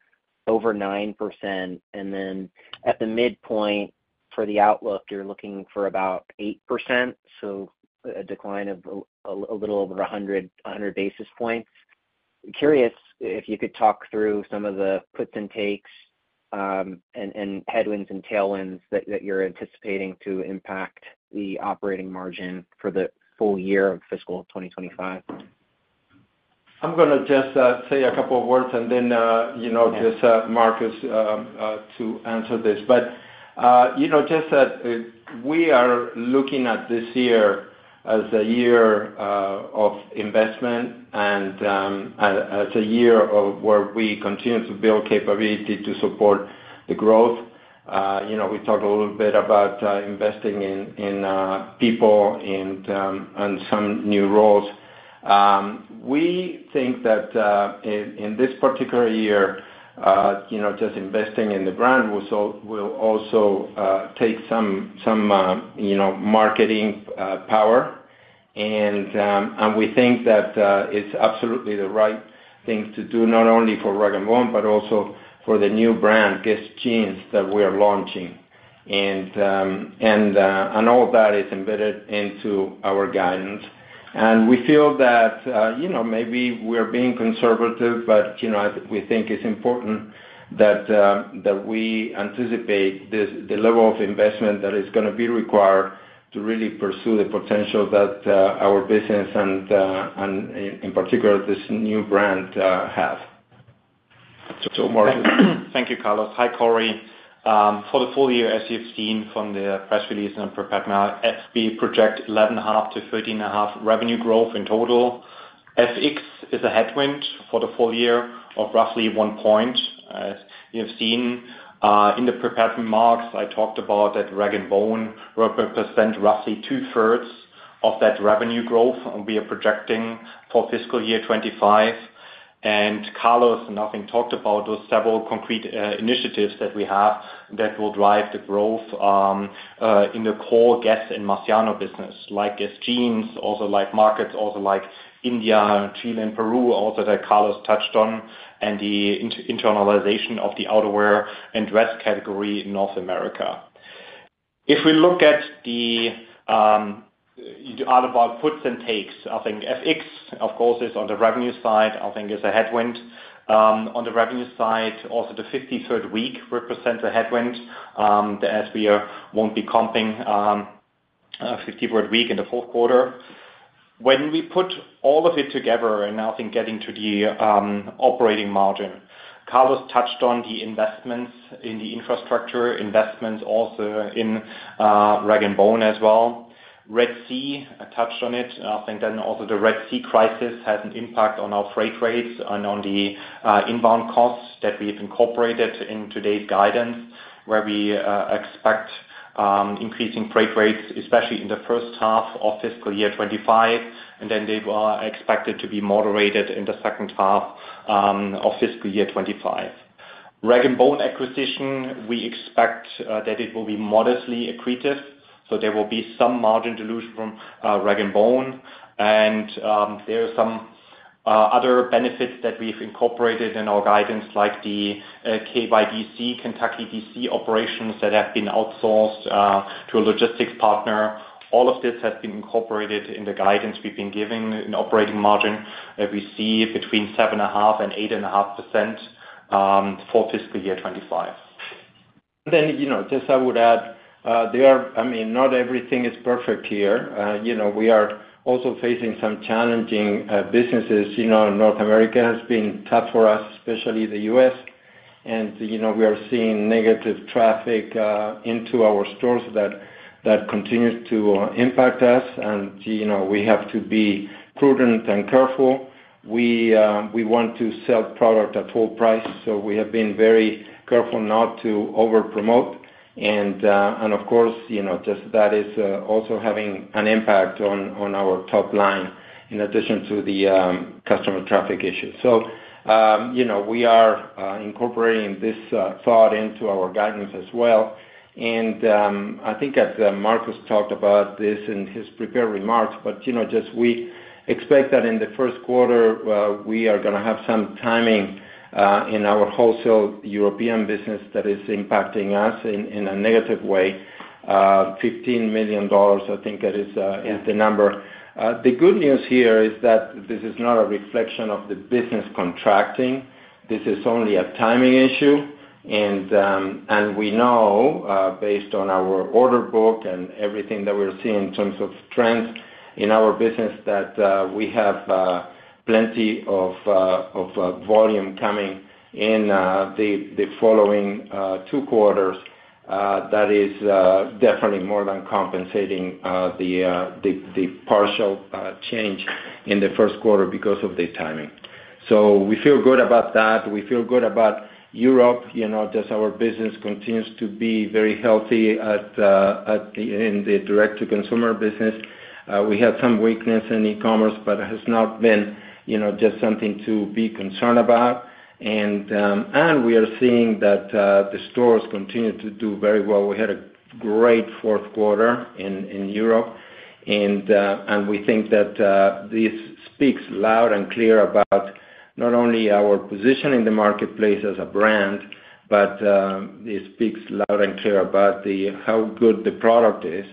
over 9%. And then at the midpoint for the outlook, you're looking for about 8%, so a decline of a little over 100 basis points. Curious if you could talk through some of the puts and takes and headwinds and tailwinds that you're anticipating to impact the operating margin for the full year of fiscal 2025. I'm going to just say a couple of words and then just Markus to answer this. But just that we are looking at this year as a year of investment and as a year where we continue to build capability to support the growth. We talked a little bit about investing in people and some new roles. We think that in this particular year, just investing in the brand will also take some marketing power. And we think that it's absolutely the right thing to do not only for rag & bone but also for the new Guess Jeans that we are launching. And all that is embedded into our guidance. We feel that maybe we are being conservative, but we think it's important that we anticipate the level of investment that is going to be required to really pursue the potential that our business and in particular, this new brand have. So, Markus. Thank you, Carlos. Hi, Corey. For the full year, as you've seen from the press release and prepared remarks, we project 11.5%-13.5% revenue growth in total. FX is a headwind for the full year of roughly 1 point. As you have seen in the prepared remarks, I talked about that rag & bone represents roughly two-thirds of that revenue growth we are projecting for fiscal year 2025. Carlos and I think talked about those several concrete initiatives that we have that will drive the growth in the core Guess and Marciano business, Guess Jeans, also like markets, also like India, Chile, and Peru, also that Carlos touched on, and the internalization of the outerwear and dress category in North America. If we look at the overall puts and takes, I think FX, of course, is on the revenue side. I think it's a headwind on the revenue side. Also, the 53rd week represents a headwind as we won't be comping a 53rd week in the fourth quarter. When we put all of it together and I think getting to the operating margin, Carlos touched on the investments in the infrastructure, investments also in rag & bone as well. I touched on it. I think then also the Red Sea crisis has an impact on our freight rates and on the inbound costs that we've incorporated in today's guidance where we expect increasing freight rates, especially in the first half of fiscal year 2025. And then they are expected to be moderated in the second half of fiscal year 2025. rag & bone acquisition, we expect that it will be modestly accretive. So there will be some margin dilution from rag & bone. There are some other benefits that we've incorporated in our guidance, like the KYDC, Kentucky DC operations that have been outsourced to a logistics partner. All of this has been incorporated in the guidance we've been giving in operating margin. We see between 7.5%-8.5% for fiscal year 2025. And then just I would add, I mean, not everything is perfect here. We are also facing some challenging businesses. North America has been tough for us, especially the U.S. And we are seeing negative traffic into our stores that continues to impact us. And we have to be prudent and careful. We want to sell product at full price. So we have been very careful not to overpromote. And of course, just that is also having an impact on our top line in addition to the customer traffic issues. So we are incorporating this thought into our guidance as well. And I think that Markus talked about this in his prepared remarks. But just we expect that in the first quarter, we are going to have some timing in our wholesale European business that is impacting us in a negative way. $15 million, I think that is the number. The good news here is that this is not a reflection of the business contracting. This is only a timing issue. We know based on our order book and everything that we're seeing in terms of trends in our business that we have plenty of volume coming in the following two quarters. That is definitely more than compensating the partial change in the first quarter because of the timing. We feel good about that. We feel good about Europe. Just our business continues to be very healthy in the direct-to-consumer business. We had some weakness in e-commerce, but it has not been just something to be concerned about. We are seeing that the stores continue to do very well. We had a great fourth quarter in Europe. We think that this speaks loud and clear about not only our position in the marketplace as a brand, but this speaks loud and clear about how good the product is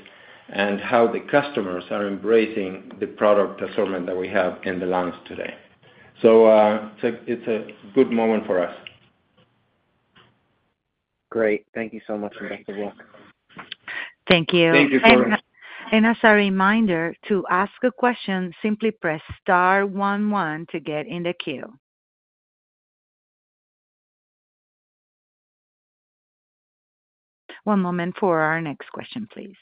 and how the customers are embracing the product assortment that we have in the lines today. It's a good moment for us. Great. Thank you so much, and best of luck. Thank you. Thank you for. As a reminder, to ask a question, simply press star 11 to get in the queue. One moment for our next question, please.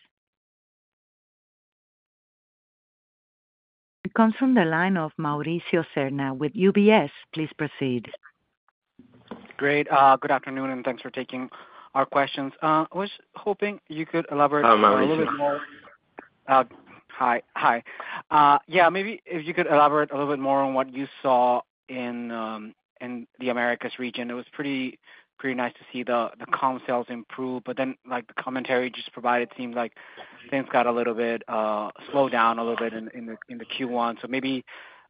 It comes from the line of Mauricio Serna with UBS. Please proceed. Great. Good afternoon, and thanks for taking our questions. I was hoping you could elaborate a little bit more. Hi. Hi. Yeah, maybe if you could elaborate a little bit more on what you saw in the Americas region. It was pretty nice to see the comps sales approve. But then the commentary you just provided seemed like things got a little bit slowed down a little bit in the Q1. So maybe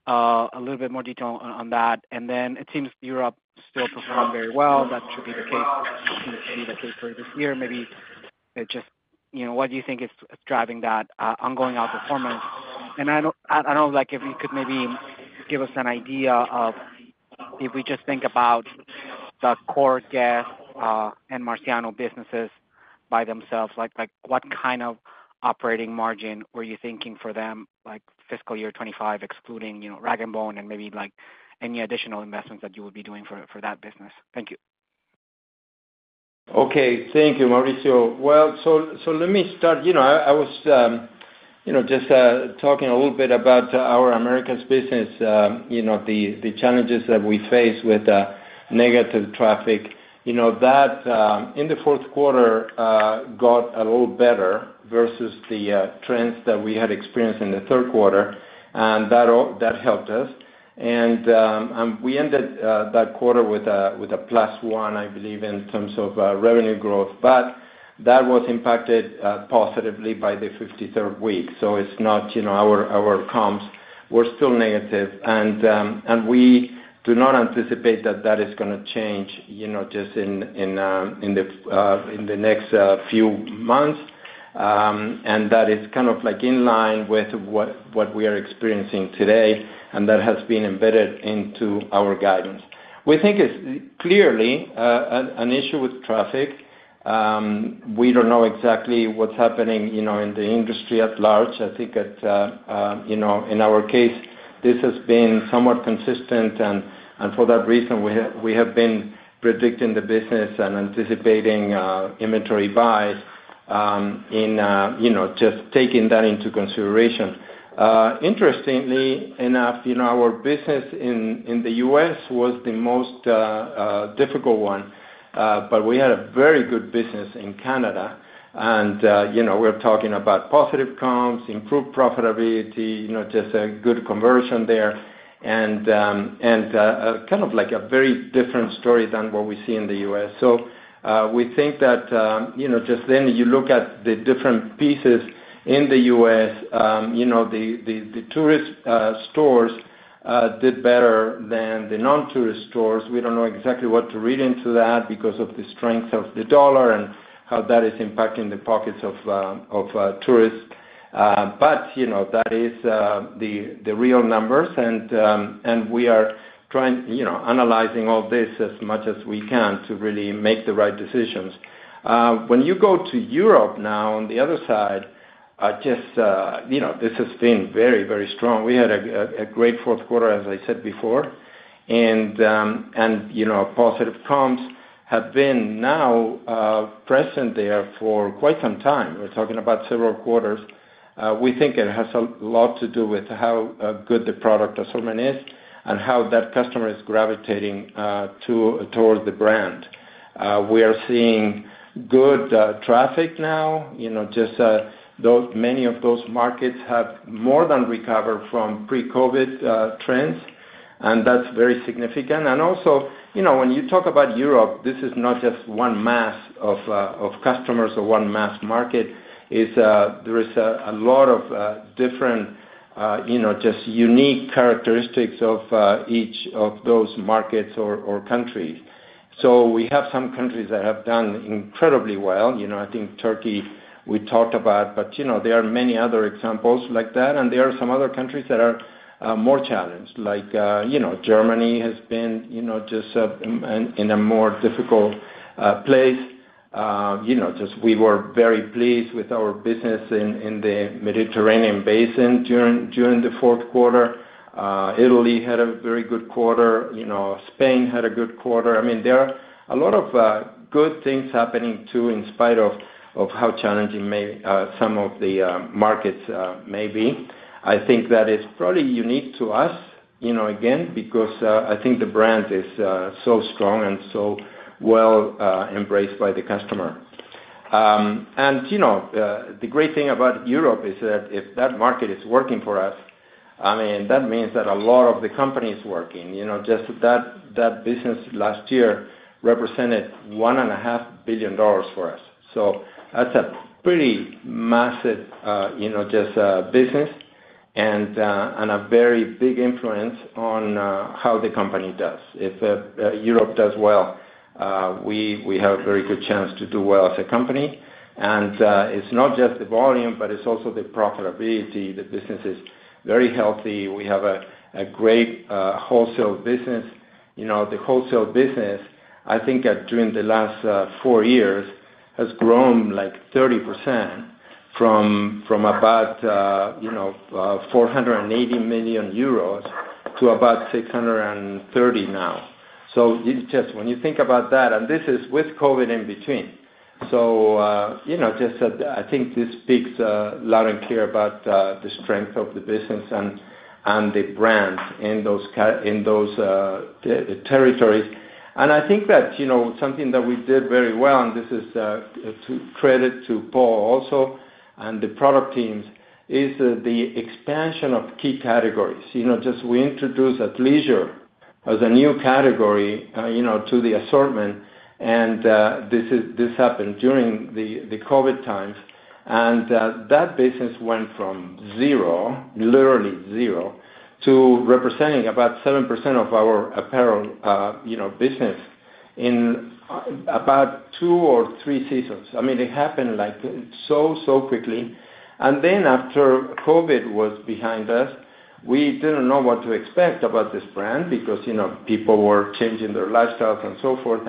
a little bit more detail on that. And then it seems Europe still performed very well. That should be the case. It seems to be the case for this year. Maybe it just what do you think is driving that ongoing outperformance? And I don't know if you could maybe give us an idea of if we just think about the core Guess and Marciano businesses by themselves, what kind of operating margin were you thinking for them fiscal year 2025 excluding rag & bone and maybe any additional investments that you would be doing for that business? Thank you. Okay. Thank you, Mauricio. Well, so let me start. I was just talking a little bit about our Americas business, the challenges that we face with negative traffic. That in the fourth quarter got a little better versus the trends that we had experienced in the third quarter. And that helped us. And we ended that quarter with a +1, I believe, in terms of revenue growth. But that was impacted positively by the 53rd week. So it's not, our comps were still negative. And we do not anticipate that that is going to change just in the next few months. And that is kind of in line with what we are experiencing today. And that has been embedded into our guidance. We think it's clearly an issue with traffic. We don't know exactly what's happening in the industry at large. I think that in our case, this has been somewhat consistent. For that reason, we have been predicting the business and anticipating inventory buys in just taking that into consideration. Interestingly enough, our business in the U.S. was the most difficult one. We had a very good business in Canada. We're talking about positive comps, improved profitability, just a good conversion there, and kind of a very different story than what we see in the U.S. So we think that just then you look at the different pieces in the U.S., the tourist stores did better than the non-tourist stores. We don't know exactly what to read into that because of the strength of the dollar and how that is impacting the pockets of tourists. That is the real numbers. We are trying analyzing all this as much as we can to really make the right decisions. When you go to Europe now on the other side, just this has been very, very strong. We had a great fourth quarter, as I said before. And positive comps have been now present there for quite some time. We're talking about several quarters. We think it has a lot to do with how good the product assortment is and how that customer is gravitating towards the brand. We are seeing good traffic now. Just many of those markets have more than recovered from pre-COVID trends. And that's very significant. And also, when you talk about Europe, this is not just one mass of customers or one mass market. There is a lot of different just unique characteristics of each of those markets or countries. So we have some countries that have done incredibly well. I think Turkey, we talked about. But there are many other examples like that. And there are some other countries that are more challenged. Like Germany has been just in a more difficult place. Just we were very pleased with our business in the Mediterranean Basin during the fourth quarter. Italy had a very good quarter. Spain had a good quarter. I mean, there are a lot of good things happening too in spite of how challenging some of the markets may be. I think that is probably unique to us, again, because I think the brand is so strong and so well embraced by the customer. And the great thing about Europe is that if that market is working for us, I mean, that means that a lot of the company is working. Just that business last year represented $1.5 billion for us. So that's a pretty massive just business and a very big influence on how the company does. If Europe does well, we have a very good chance to do well as a company. And it's not just the volume, but it's also the profitability. The business is very healthy. We have a great wholesale business. The wholesale business, I think, during the last four years has grown like 30% from about 480 million euros to about 630 million now. So just when you think about that and this is with COVID in between. So just I think this speaks loud and clear about the strength of the business and the brand in those territories. I think that something that we did very well, and this is credit to Paul also and the product teams, is the expansion of key categories. Just we introduced athleisure as a new category to the assortment. And this happened during the COVID times. And that business went from zero, literally zero, to representing about 7% of our apparel business in about 2 or 3 seasons. I mean, it happened so, so quickly. And then after COVID was behind us, we didn't know what to expect about this brand because people were changing their lifestyles and so forth.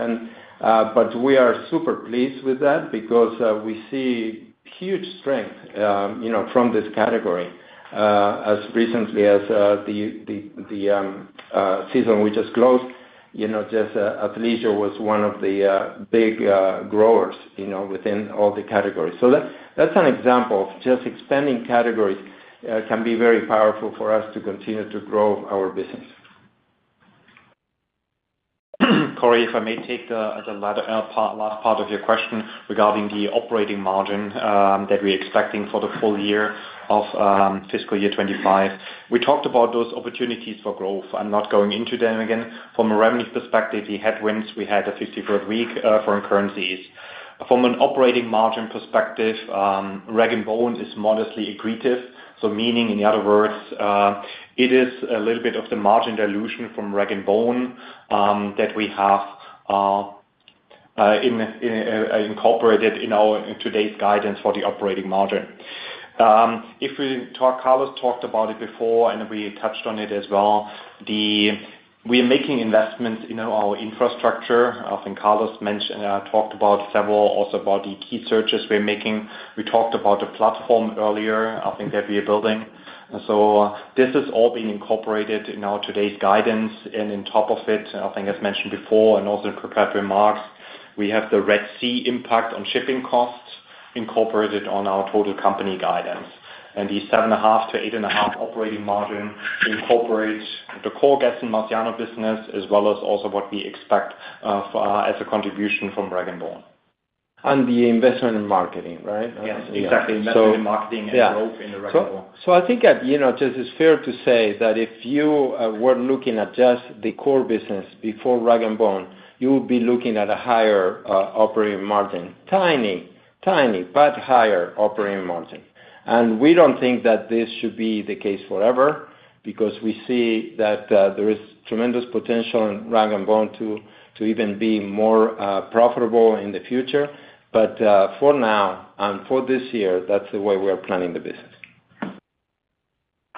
But we are super pleased with that because we see huge strength from this category as recently as the season we just closed. Just athleisure was one of the big growers within all the categories. So that's an example of just expanding categories can be very powerful for us to continue to grow our business. Corey, if I may take the last part of your question regarding the operating margin that we're expecting for the full year of fiscal year 2025. We talked about those opportunities for growth. I'm not going into them again. From a revenue perspective, the headwinds we had, a 53rd week foreign currencies. From an operating margin perspective, rag & bone is modestly accretive. So meaning, in other words, it is a little bit of the margin dilution from rag & bone that we have incorporated in today's guidance for the operating margin. If we talk, Carlos talked about it before, and we touched on it as well. We are making investments in our infrastructure. I think Carlos talked about several, also about the key hires we're making. We talked about the platform earlier, I think, that we are building. So this has all been incorporated in our today's guidance. And on top of it, I think, as mentioned before and also in prepared remarks, we have the Red Sea impact on shipping costs incorporated on our total company guidance. And the 7.5%-8.5% operating margin incorporates the core Guess and Marciano business as well as also what we expect as a contribution from rag & bone. The investment in marketing, right? Yes. Exactly. Investment in marketing and growth in rag & bone. So I think that just it's fair to say that if you were looking at just the core business before rag & bone, you would be looking at a higher operating margin, tiny, tiny, but higher operating margin. And we don't think that this should be the case forever because we see that there is tremendous potential in rag & bone to even be more profitable in the future. But for now and for this year, that's the way we are planning the business.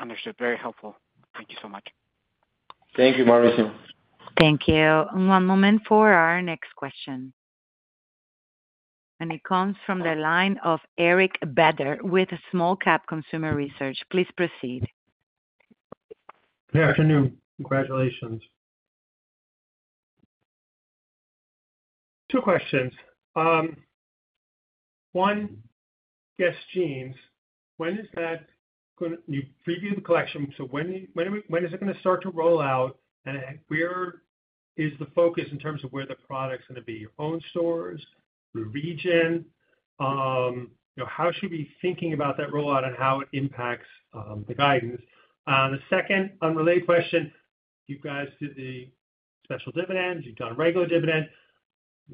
Understood. Very helpful. Thank you so much. Thank you, Mauricio. Thank you. One moment for our next question. It comes from the line of Eric Beder with Small Cap Consumer Research. Please proceed. Good afternoon. Congratulations. Two questions. Guess Jeans, when is that going to—you previewed the collection. So when is it going to start to roll out? And where is the focus in terms of where the product's going to be? Your own stores? Your region? How should we be thinking about that rollout and how it impacts the guidance? The second unrelated question. You guys did the special dividends. You've done regular dividend.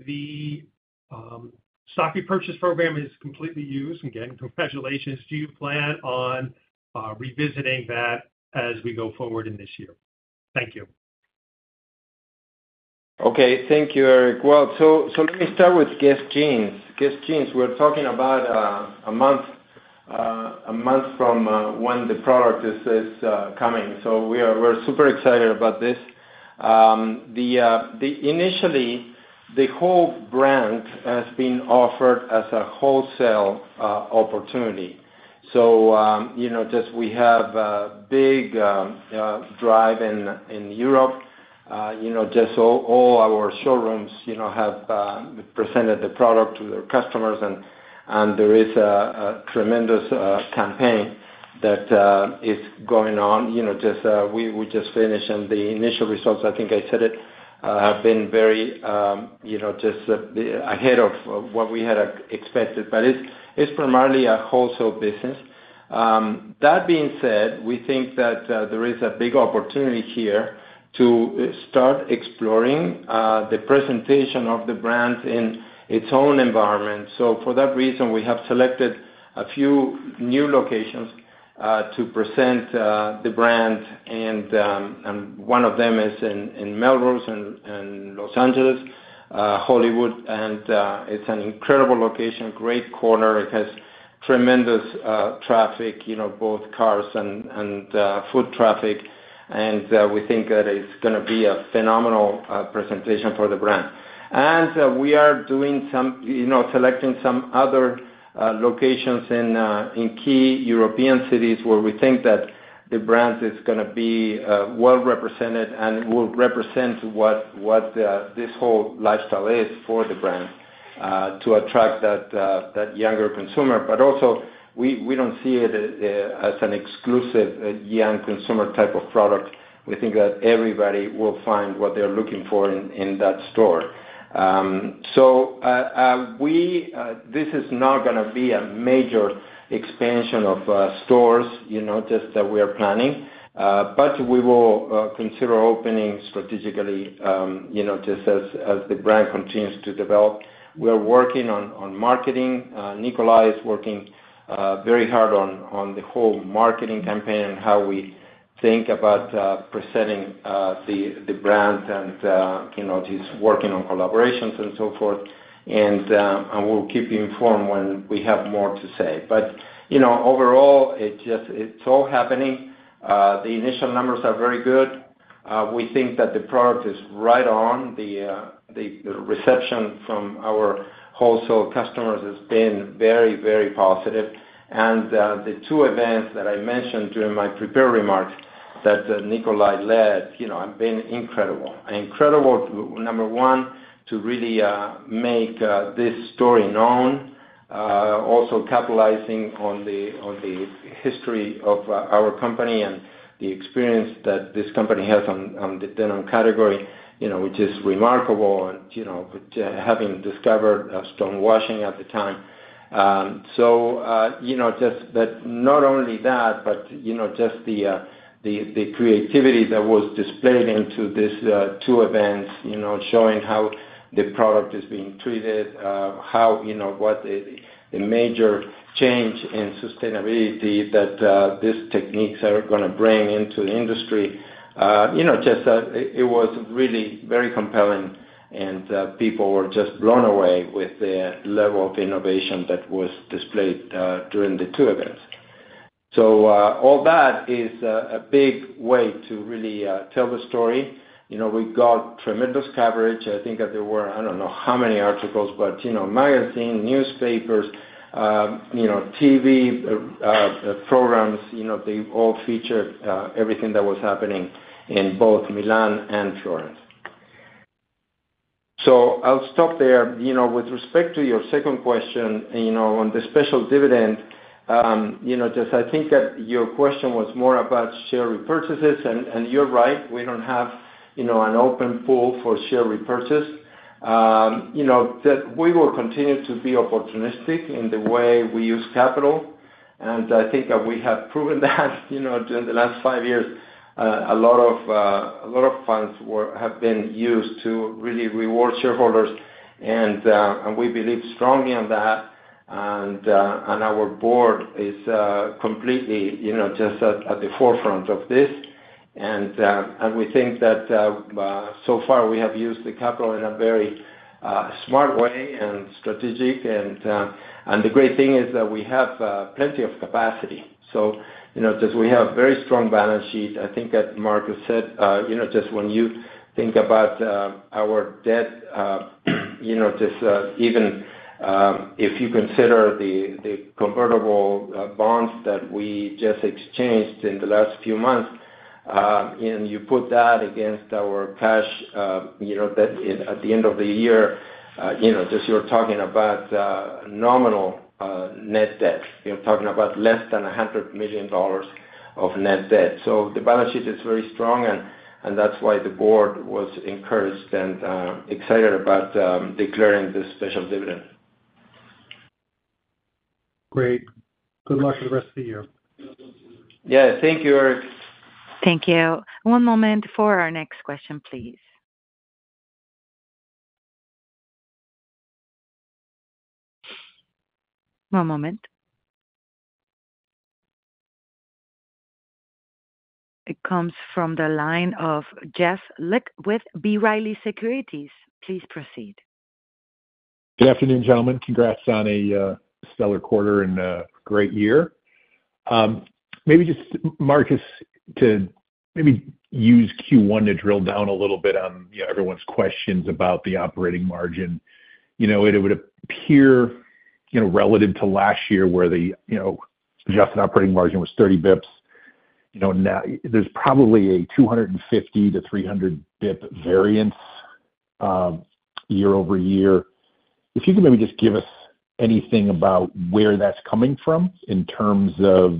The stock repurchase program is completely used. Again, congratulations. Do you plan on revisiting that as we go forward in this year? Thank you. Okay. Thank you, Eric. Well, so let me start Guess Jeans, we're talking about a month from when the product is coming. So we're super excited about this. Initially, the whole brand has been offered as a wholesale opportunity. So just we have a big drive in Europe. Just all our showrooms have presented the product to their customers. And there is a tremendous campaign that is going on. Just we just finished. And the initial results, I think I said it, have been very just ahead of what we had expected. But it's primarily a wholesale business. That being said, we think that there is a big opportunity here to start exploring the presentation of the brand in its own environment. So for that reason, we have selected a few new locations to present the brand. One of them is in Melrose and Los Angeles, Hollywood. It's an incredible location, great corner. It has tremendous traffic, both cars and foot traffic. We think that it's going to be a phenomenal presentation for the brand. We are doing some selecting some other locations in key European cities where we think that the brand is going to be well represented and will represent what this whole lifestyle is for the brand to attract that younger consumer. But also, we don't see it as an exclusive young consumer type of product. We think that everybody will find what they're looking for in that store. This is not going to be a major expansion of stores just that we are planning. We will consider opening strategically just as the brand continues to develop. We are working on marketing. Nicolai is working very hard on the whole marketing campaign and how we think about presenting the brand. He's working on collaborations and so forth. We'll keep you informed when we have more to say. But overall, it's all happening. The initial numbers are very good. We think that the product is right on. The reception from our wholesale customers has been very, very positive. The two events that I mentioned during my prepared remarks that Nicolai led have been incredible. Incredible, number one, to really make this story known, also capitalizing on the history of our company and the experience that this company has on the denim category, which is remarkable, but having discovered stonewashing at the time. So, just but not only that, but just the creativity that was displayed into these two events, showing how the product is being treated, what the major change in sustainability that these techniques are going to bring into the industry. Just, it was really very compelling. People were just blown away with the level of innovation that was displayed during the two events. All that is a big way to really tell the story. We got tremendous coverage. I think that there were—I don't know how many articles—but magazines, newspapers, TV programs; they all featured everything that was happening in both Milan and Florence. I'll stop there. With respect to your second question on the special dividend, just I think that your question was more about share repurchases. You're right. We don't have an open pool for share repurchase. That we will continue to be opportunistic in the way we use capital. I think that we have proven that during the last five years, a lot of funds have been used to really reward shareholders. We believe strongly in that. Our board is completely just at the forefront of this. We think that so far, we have used the capital in a very smart way and strategic. The great thing is that we have plenty of capacity. Just we have a very strong balance sheet. I think that Markus said, just when you think about our debt, just even if you consider the convertible bonds that we just exchanged in the last few months and you put that against our cash that at the end of the year, just you're talking about nominal net debt. You're talking about less than $100 million of net debt. So the balance sheet is very strong. And that's why the board was encouraged and excited about declaring this special dividend. Great. Good luck for the rest of the year. Yeah. Thank you, Eric. Thank you. One moment for our next question, please. One moment. It comes from the line of Jeff Lick with B. Riley Securities. Please proceed. Good afternoon, gentlemen. Congrats on a stellar quarter and great year. Maybe just Markus, to maybe use Q1 to drill down a little bit on everyone's questions about the operating margin. It would appear relative to last year where the adjusted operating margin was 30 basis points, there's probably a 250-300 basis points variance year-over-year. If you could maybe just give us anything about where that's coming from in terms of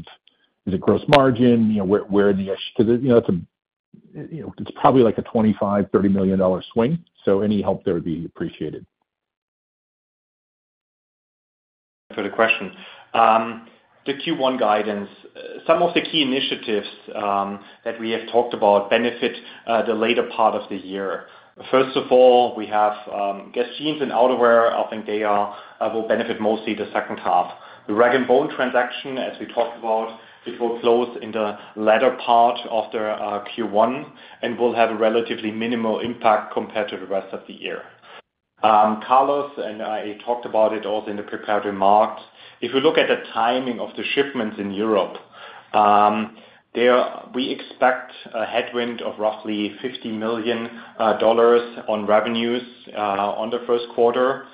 is it gross margin? Where is the bridge to the it's probably like a $25-$30 million swing. So any help there would be appreciated. Thanks for the question. The Q1 guidance, some of the key initiatives that we have talked about benefit the later part of the year. First of all, we Guess Jeans and outerwear. I think they will benefit mostly the second half. The rag & bone transaction, as we talked about, it will close in the latter part of the Q1 and will have a relatively minimal impact compared to the rest of the year. Carlos and I talked about it also in the prepared remarks, if we look at the timing of the shipments in Europe, we expect a headwind of roughly $50 million on revenues in the first quarter,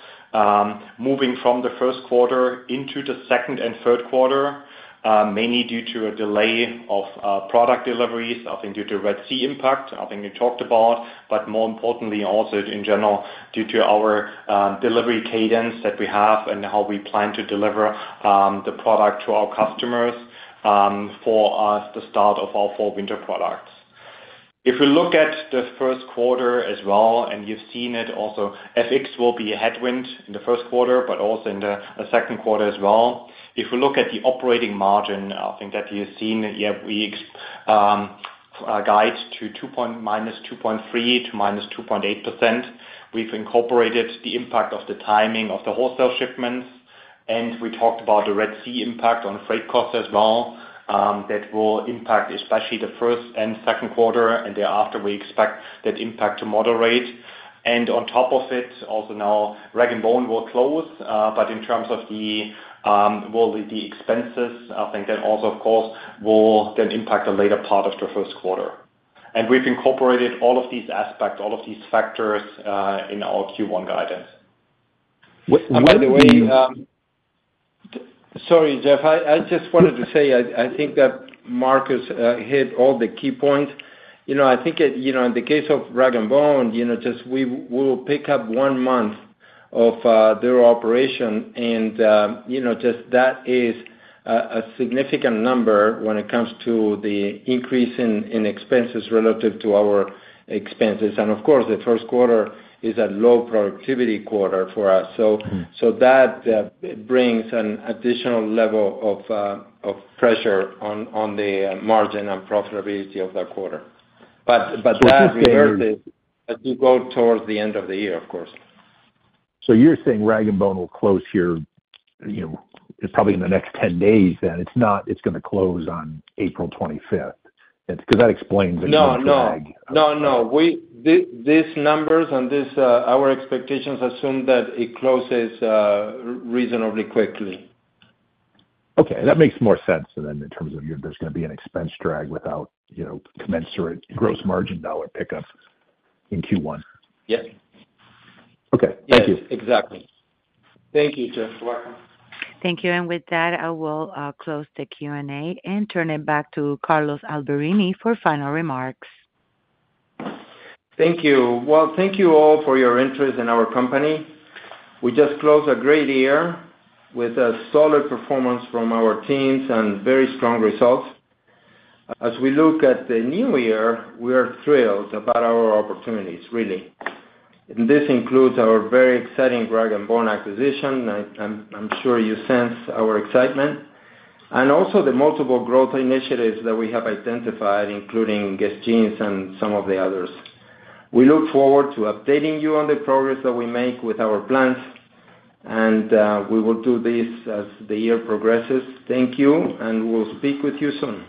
moving from the first quarter into the second and third quarter, mainly due to a delay of product deliveries. I think due to Red Sea impact, I think you talked about. But more importantly, also in general, due to our delivery cadence that we have and how we plan to deliver the product to our customers for the start of our fall-winter products. If we look at the first quarter as well, and you've seen it also, FX will be a headwind in the first quarter, but also in the second quarter as well. If we look at the operating margin, I think that you've seen, yeah, we guide to -2.3% to -2.8%. We've incorporated the impact of the timing of the wholesale shipments. And we talked about the Red Sea impact on freight costs as well that will impact especially the first and second quarter. And thereafter, we expect that impact to moderate. And on top of it, also now, rag & bone will close. But in terms of the expenses, I think that also, of course, will then impact the later part of the first quarter. And we've incorporated all of these aspects, all of these factors in our Q1 guidance. By the way, sorry, Jeff. I just wanted to say I think that Markus hit all the key points. I think in the case of rag & bone, just we will pick up one month of their operation. And just that is a significant number when it comes to the increase in expenses relative to our expenses. And of course, the first quarter is a low productivity quarter for us. So that brings an additional level of pressure on the margin and profitability of that quarter. But that reverses as you go towards the end of the year, of course. So you're saying rag & bone will close here probably in the next 10 days then. It's not, it's going to close on April 25th because that explains the drag. No, no, no, no. These numbers and our expectations assume that it closes reasonably quickly. Okay. That makes more sense than in terms of there's going to be an expense drag without commensurate gross margin dollar pickup in Q1. Yes. Okay. Thank you. Yes, exactly. Thank you, Jeff. You're welcome. Thank you. With that, I will close the Q&A and turn it back to Carlos Alberini for final remarks. Thank you. Well, thank you all for your interest in our company. We just closed a great year with a solid performance from our teams and very strong results. As we look at the new year, we are thrilled about our opportunities, really. This includes our very exciting rag & bone acquisition. I'm sure you sense our excitement. Also the multiple growth initiatives that we have identified, Guess Jeans and some of the others. We look forward to updating you on the progress that we make with our plans. We will do this as the year progresses. Thank you. We'll speak with you soon.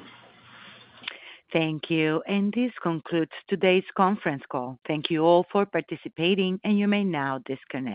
Thank you. This concludes today's conference call. Thank you all for participating. You may now disconnect.